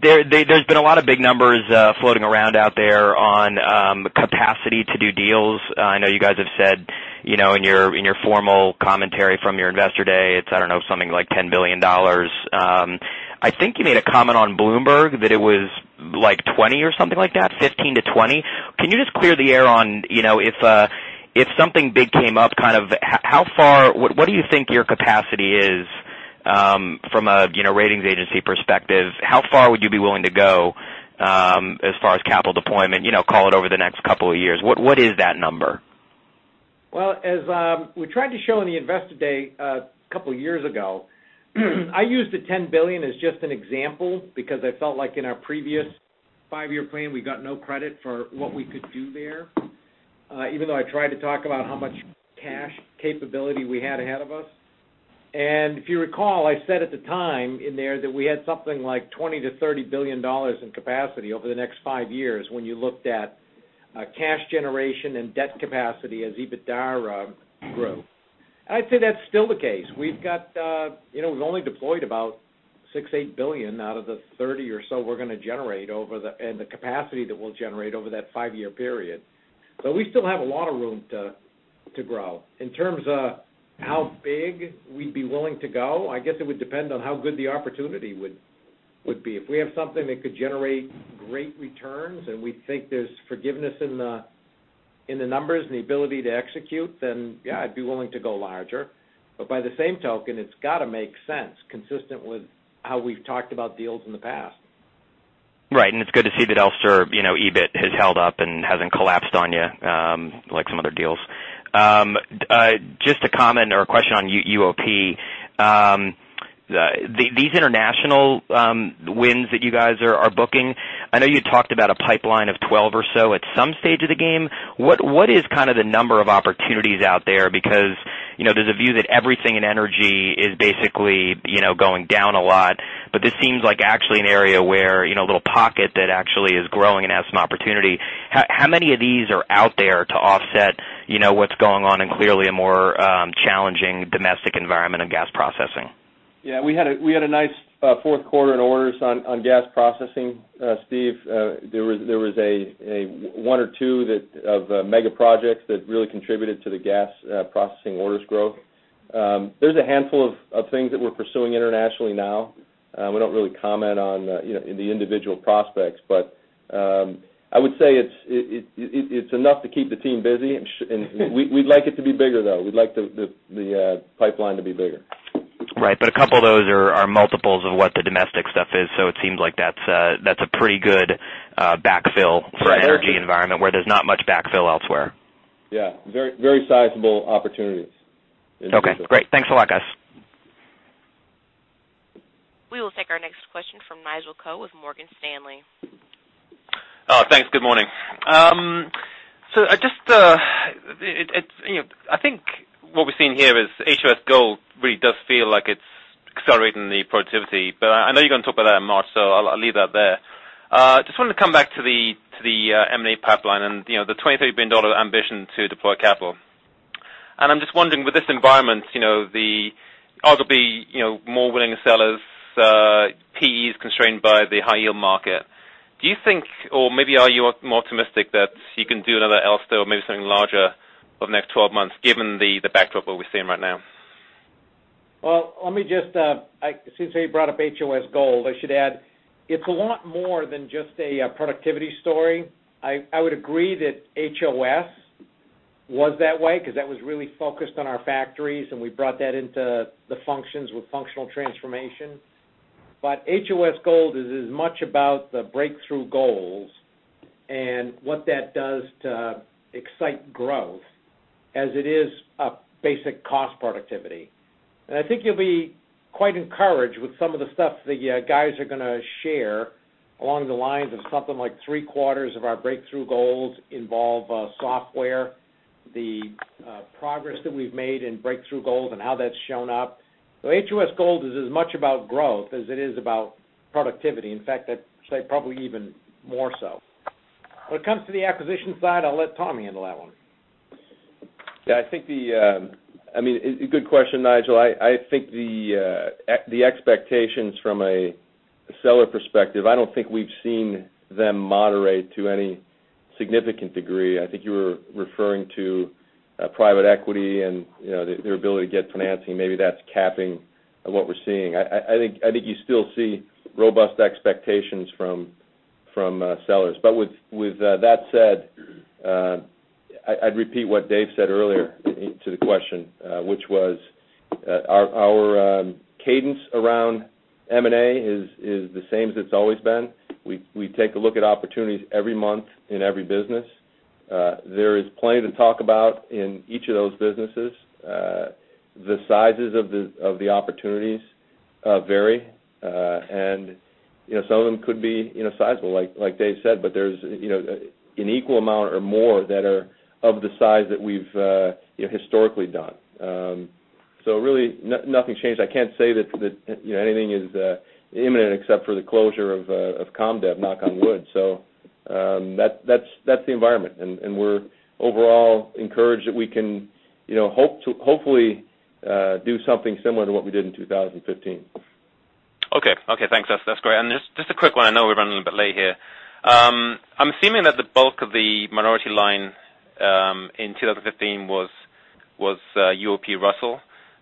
J: There's been a lot of big numbers floating around out there on capacity to do deals. I know you guys have said in your formal commentary from your Investor Day, it's, I don't know, something like $10 billion. I think you made a comment on Bloomberg that it was like 20 or something like that, 15 to 20. Can you just clear the air on, if something big came up, what do you think your capacity is from a ratings agency perspective? How far would you be willing to go as far as capital deployment, call it over the next couple of years? What is that number?
D: Well, as we tried to show in the Investor Day a couple of years ago, I used the $10 billion as just an example because I felt like in our previous five-year plan, we got no credit for what we could do there. Even though I tried to talk about how much cash capability we had ahead of us. If you recall, I said at the time in there that we had something like $20 billion-$30 billion in capacity over the next five years when you looked at cash generation and debt capacity as EBITDA grew. I'd say that's still the case. We've only deployed about $6 billion, $8 billion out of the $30 billion or so we're going to generate, and the capacity that we'll generate over that five-year period. We still have a lot of room to grow. In terms of how big we'd be willing to go, I guess it would depend on how good the opportunity would be. If we have something that could generate great returns, and we think there's forgiveness in the numbers and the ability to execute, then yeah, I'd be willing to go larger. By the same token, it's got to make sense, consistent with how we've talked about deals in the past.
J: Right. It's good to see that Elster EBIT has held up and hasn't collapsed on you like some other deals. Just a comment or a question on UOP. These international wins that you guys are booking, I know you talked about a pipeline of 12 or so at some stage of the game. What is kind of the number of opportunities out there? There's a view that everything in energy is basically going down a lot, this seems like actually an area where a little pocket that actually is growing and has some opportunity. How many of these are out there to offset what's going on in clearly a more challenging domestic environment in gas processing?
D: Yeah, we had a nice fourth quarter in orders on gas processing, Steve. There was one or two of the mega projects that really contributed to the gas processing orders growth. There's a handful of things that we're pursuing internationally now. We don't really comment on the individual prospects, I would say it's enough to keep the team busy. We'd like it to be bigger, though. We'd like the pipeline to be bigger.
J: Right. A couple of those are multiples of what the domestic stuff is, it seems like that's a pretty good backfill for an energy environment where there's not much backfill elsewhere.
D: Yeah. Very sizable opportunities.
J: Okay, great. Thanks a lot, guys.
B: Take our next question from Nigel Coe with Morgan Stanley.
K: Thanks. Good morning. I think what we're seeing here is HOS Gold really does feel like it's accelerating the productivity, but I know you're going to talk about that in March, so I'll leave that there. I just wanted to come back to the M&A pipeline and the $23 billion ambition to deploy capital. I'm just wondering, with this environment, the arguably more willing sellers, PEs constrained by the high yield market, do you think, or maybe are you more optimistic that you can do another Elster or maybe something larger over the next 12 months given the backdrop of what we're seeing right now?
A: Well, since you brought up HOS Gold, I should add, it's a lot more than just a productivity story. I would agree that HOS was that way because that was really focused on our factories. We brought that into the functions with functional transformation. HOS Gold is as much about the breakthrough goals and what that does to excite growth as it is a basic cost productivity. I think you'll be quite encouraged with some of the stuff the guys are going to share along the lines of something like three-quarters of our breakthrough goals involve software, the progress that we've made in breakthrough goals, and how that's shown up. HOS Gold is as much about growth as it is about productivity. In fact, I'd say probably even more so. When it comes to the acquisition side, I'll let Tom handle that one.
D: Yeah, good question, Nigel. I think the expectations from a seller perspective, I don't think we've seen them moderate to any significant degree. I think you were referring to private equity and their ability to get financing. Maybe that's capping what we're seeing. I think you still see robust expectations from sellers. With that said, I'd repeat what Dave said earlier to the question, which was our cadence around M&A is the same as it's always been. We take a look at opportunities every month in every business. There is plenty to talk about in each of those businesses. The sizes of the opportunities vary. Some of them could be sizable, like Dave said, but there's an equal amount or more that are of the size that we've historically done. Really nothing changed. I can't say that anything is imminent except for the closure of COM DEV, knock on wood. That's the environment, and we're overall encouraged that we can hopefully do something similar to what we did in 2015.
K: Okay. Thanks. That's great. Just a quick one, I know we're running a bit late here. I'm assuming that the bulk of the minority line in 2015 was UOP Russell.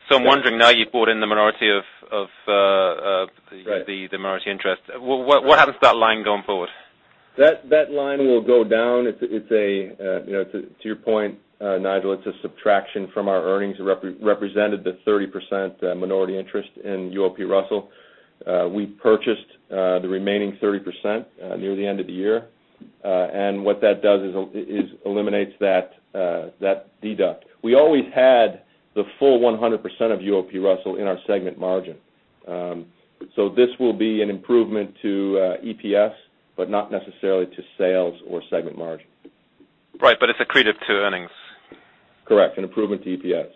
D: Yes.
K: I'm wondering now you've brought in the minority of-
D: Right
K: the minority interest. What happens to that line going forward?
D: That line will go down. To your point, Nigel, it's a subtraction from our earnings. It represented the 30% minority interest in UOP Russell. We purchased the remaining 30% near the end of the year. What that does is eliminates that deduct. We always had the full 100% of UOP Russell in our segment margin. This will be an improvement to EPS, but not necessarily to sales or segment margin.
K: Right, it's accretive to earnings.
D: Correct. An improvement to EPS.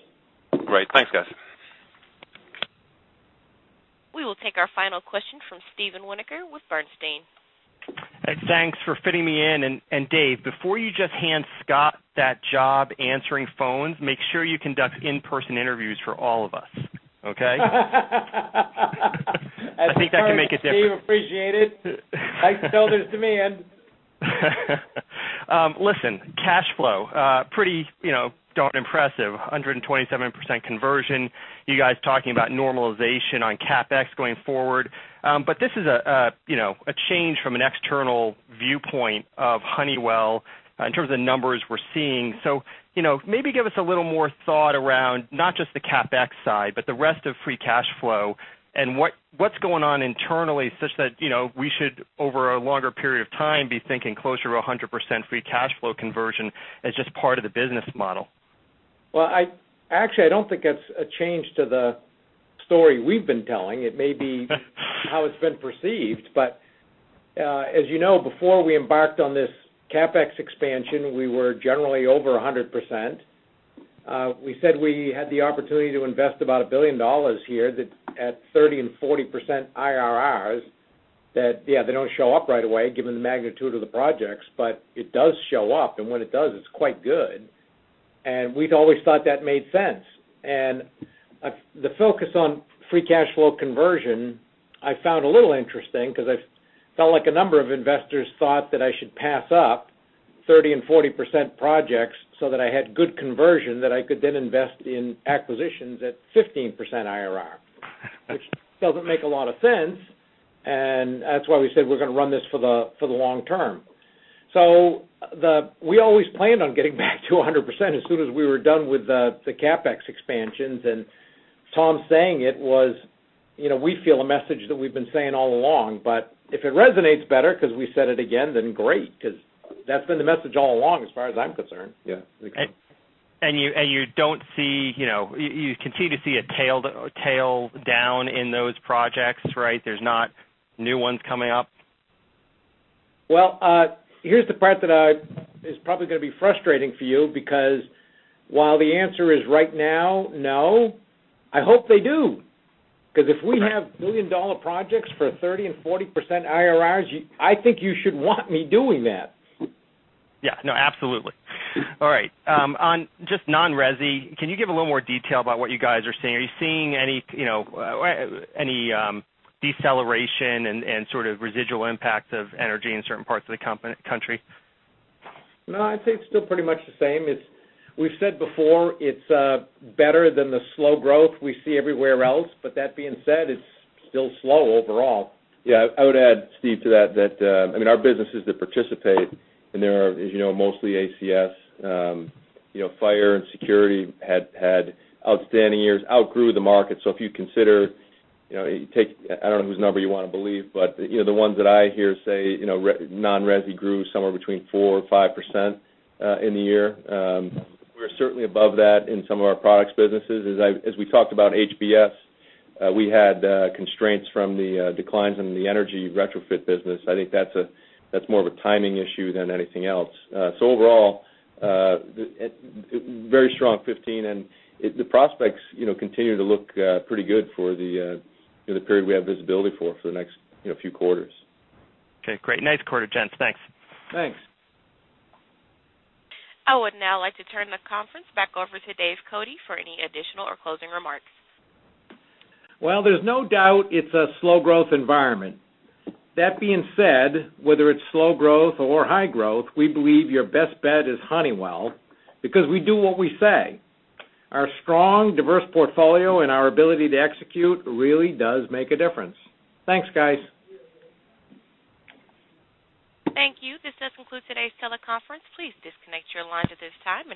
K: Great. Thanks, guys.
B: We will take our final question from Steven Winoker with Bernstein.
L: Thanks for fitting me in. Dave, before you just hand Scott that job answering phones, make sure you conduct in-person interviews for all of us. Okay? I think that can make a difference.
A: That's fair, Steve. Appreciate it. I can tell there's demand.
L: Listen, cash flow, pretty darn impressive, 127% conversion. You guys talking about normalization on CapEx going forward. This is a change from an external viewpoint of Honeywell in terms of numbers we're seeing. Maybe give us a little more thought around not just the CapEx side, but the rest of free cash flow and what's going on internally such that we should, over a longer period of time, be thinking closer to 100% free cash flow conversion as just part of the business model.
A: Well, actually, I don't think that's a change to the story we've been telling. It may be how it's been perceived. As you know, before we embarked on this CapEx expansion, we were generally over 100%. We said we had the opportunity to invest about $1 billion here at 30% and 40% IRRs that, yeah, they don't show up right away given the magnitude of the projects, but it does show up. When it does, it's quite good. We'd always thought that made sense. The focus on free cash flow conversion I found a little interesting because I felt like a number of investors thought that I should pass up 30% and 40% projects so that I had good conversion that I could then invest in acquisitions at 15% IRR, which doesn't make a lot of sense. That's why we said we're going to run this for the long term. We always planned on getting back to 100% as soon as we were done with the CapEx expansions. Tom saying it was we feel a message that we've been saying all along, if it resonates better because we said it again, then great, because that's been the message all along as far as I'm concerned.
D: Yeah.
L: You continue to see a tail down in those projects, right? There's not new ones coming up.
A: Well, here's the part that is probably going to be frustrating for you because while the answer is right now, no, I hope they do. Because if we have billion-dollar projects for 30% and 40% IRRs, I think you should want me doing that.
L: Yeah. No, absolutely. All right. On just non-resi, can you give a little more detail about what you guys are seeing? Are you seeing any deceleration and residual impact of energy in certain parts of the country?
A: No, I'd say it's still pretty much the same. We've said before, it's better than the slow growth we see everywhere else, but that being said, it's still slow overall.
D: I would add, Steve, to that, our businesses that participate, and they are, as you know, mostly ACS. Fire and Security had outstanding years, outgrew the market. If you consider, take, I don't know whose number you want to believe, but the ones that I hear say non-resi grew somewhere between 4% or 5% in the year. We're certainly above that in some of our products businesses. As we talked about HBS, we had constraints from the declines in the energy retrofit business. I think that's more of a timing issue than anything else. Overall, very strong 2015, and the prospects continue to look pretty good for the period we have visibility for the next few quarters.
L: Okay, great. Nice quarter, gents. Thanks.
A: Thanks.
B: I would now like to turn the conference back over to Dave Cote for any additional or closing remarks.
A: There's no doubt it's a slow growth environment. That being said, whether it's slow growth or high growth, we believe your best bet is Honeywell because we do what we say. Our strong, diverse portfolio and our ability to execute really does make a difference. Thanks, guys.
B: Thank you. This does conclude today's teleconference. Please disconnect your lines at this time.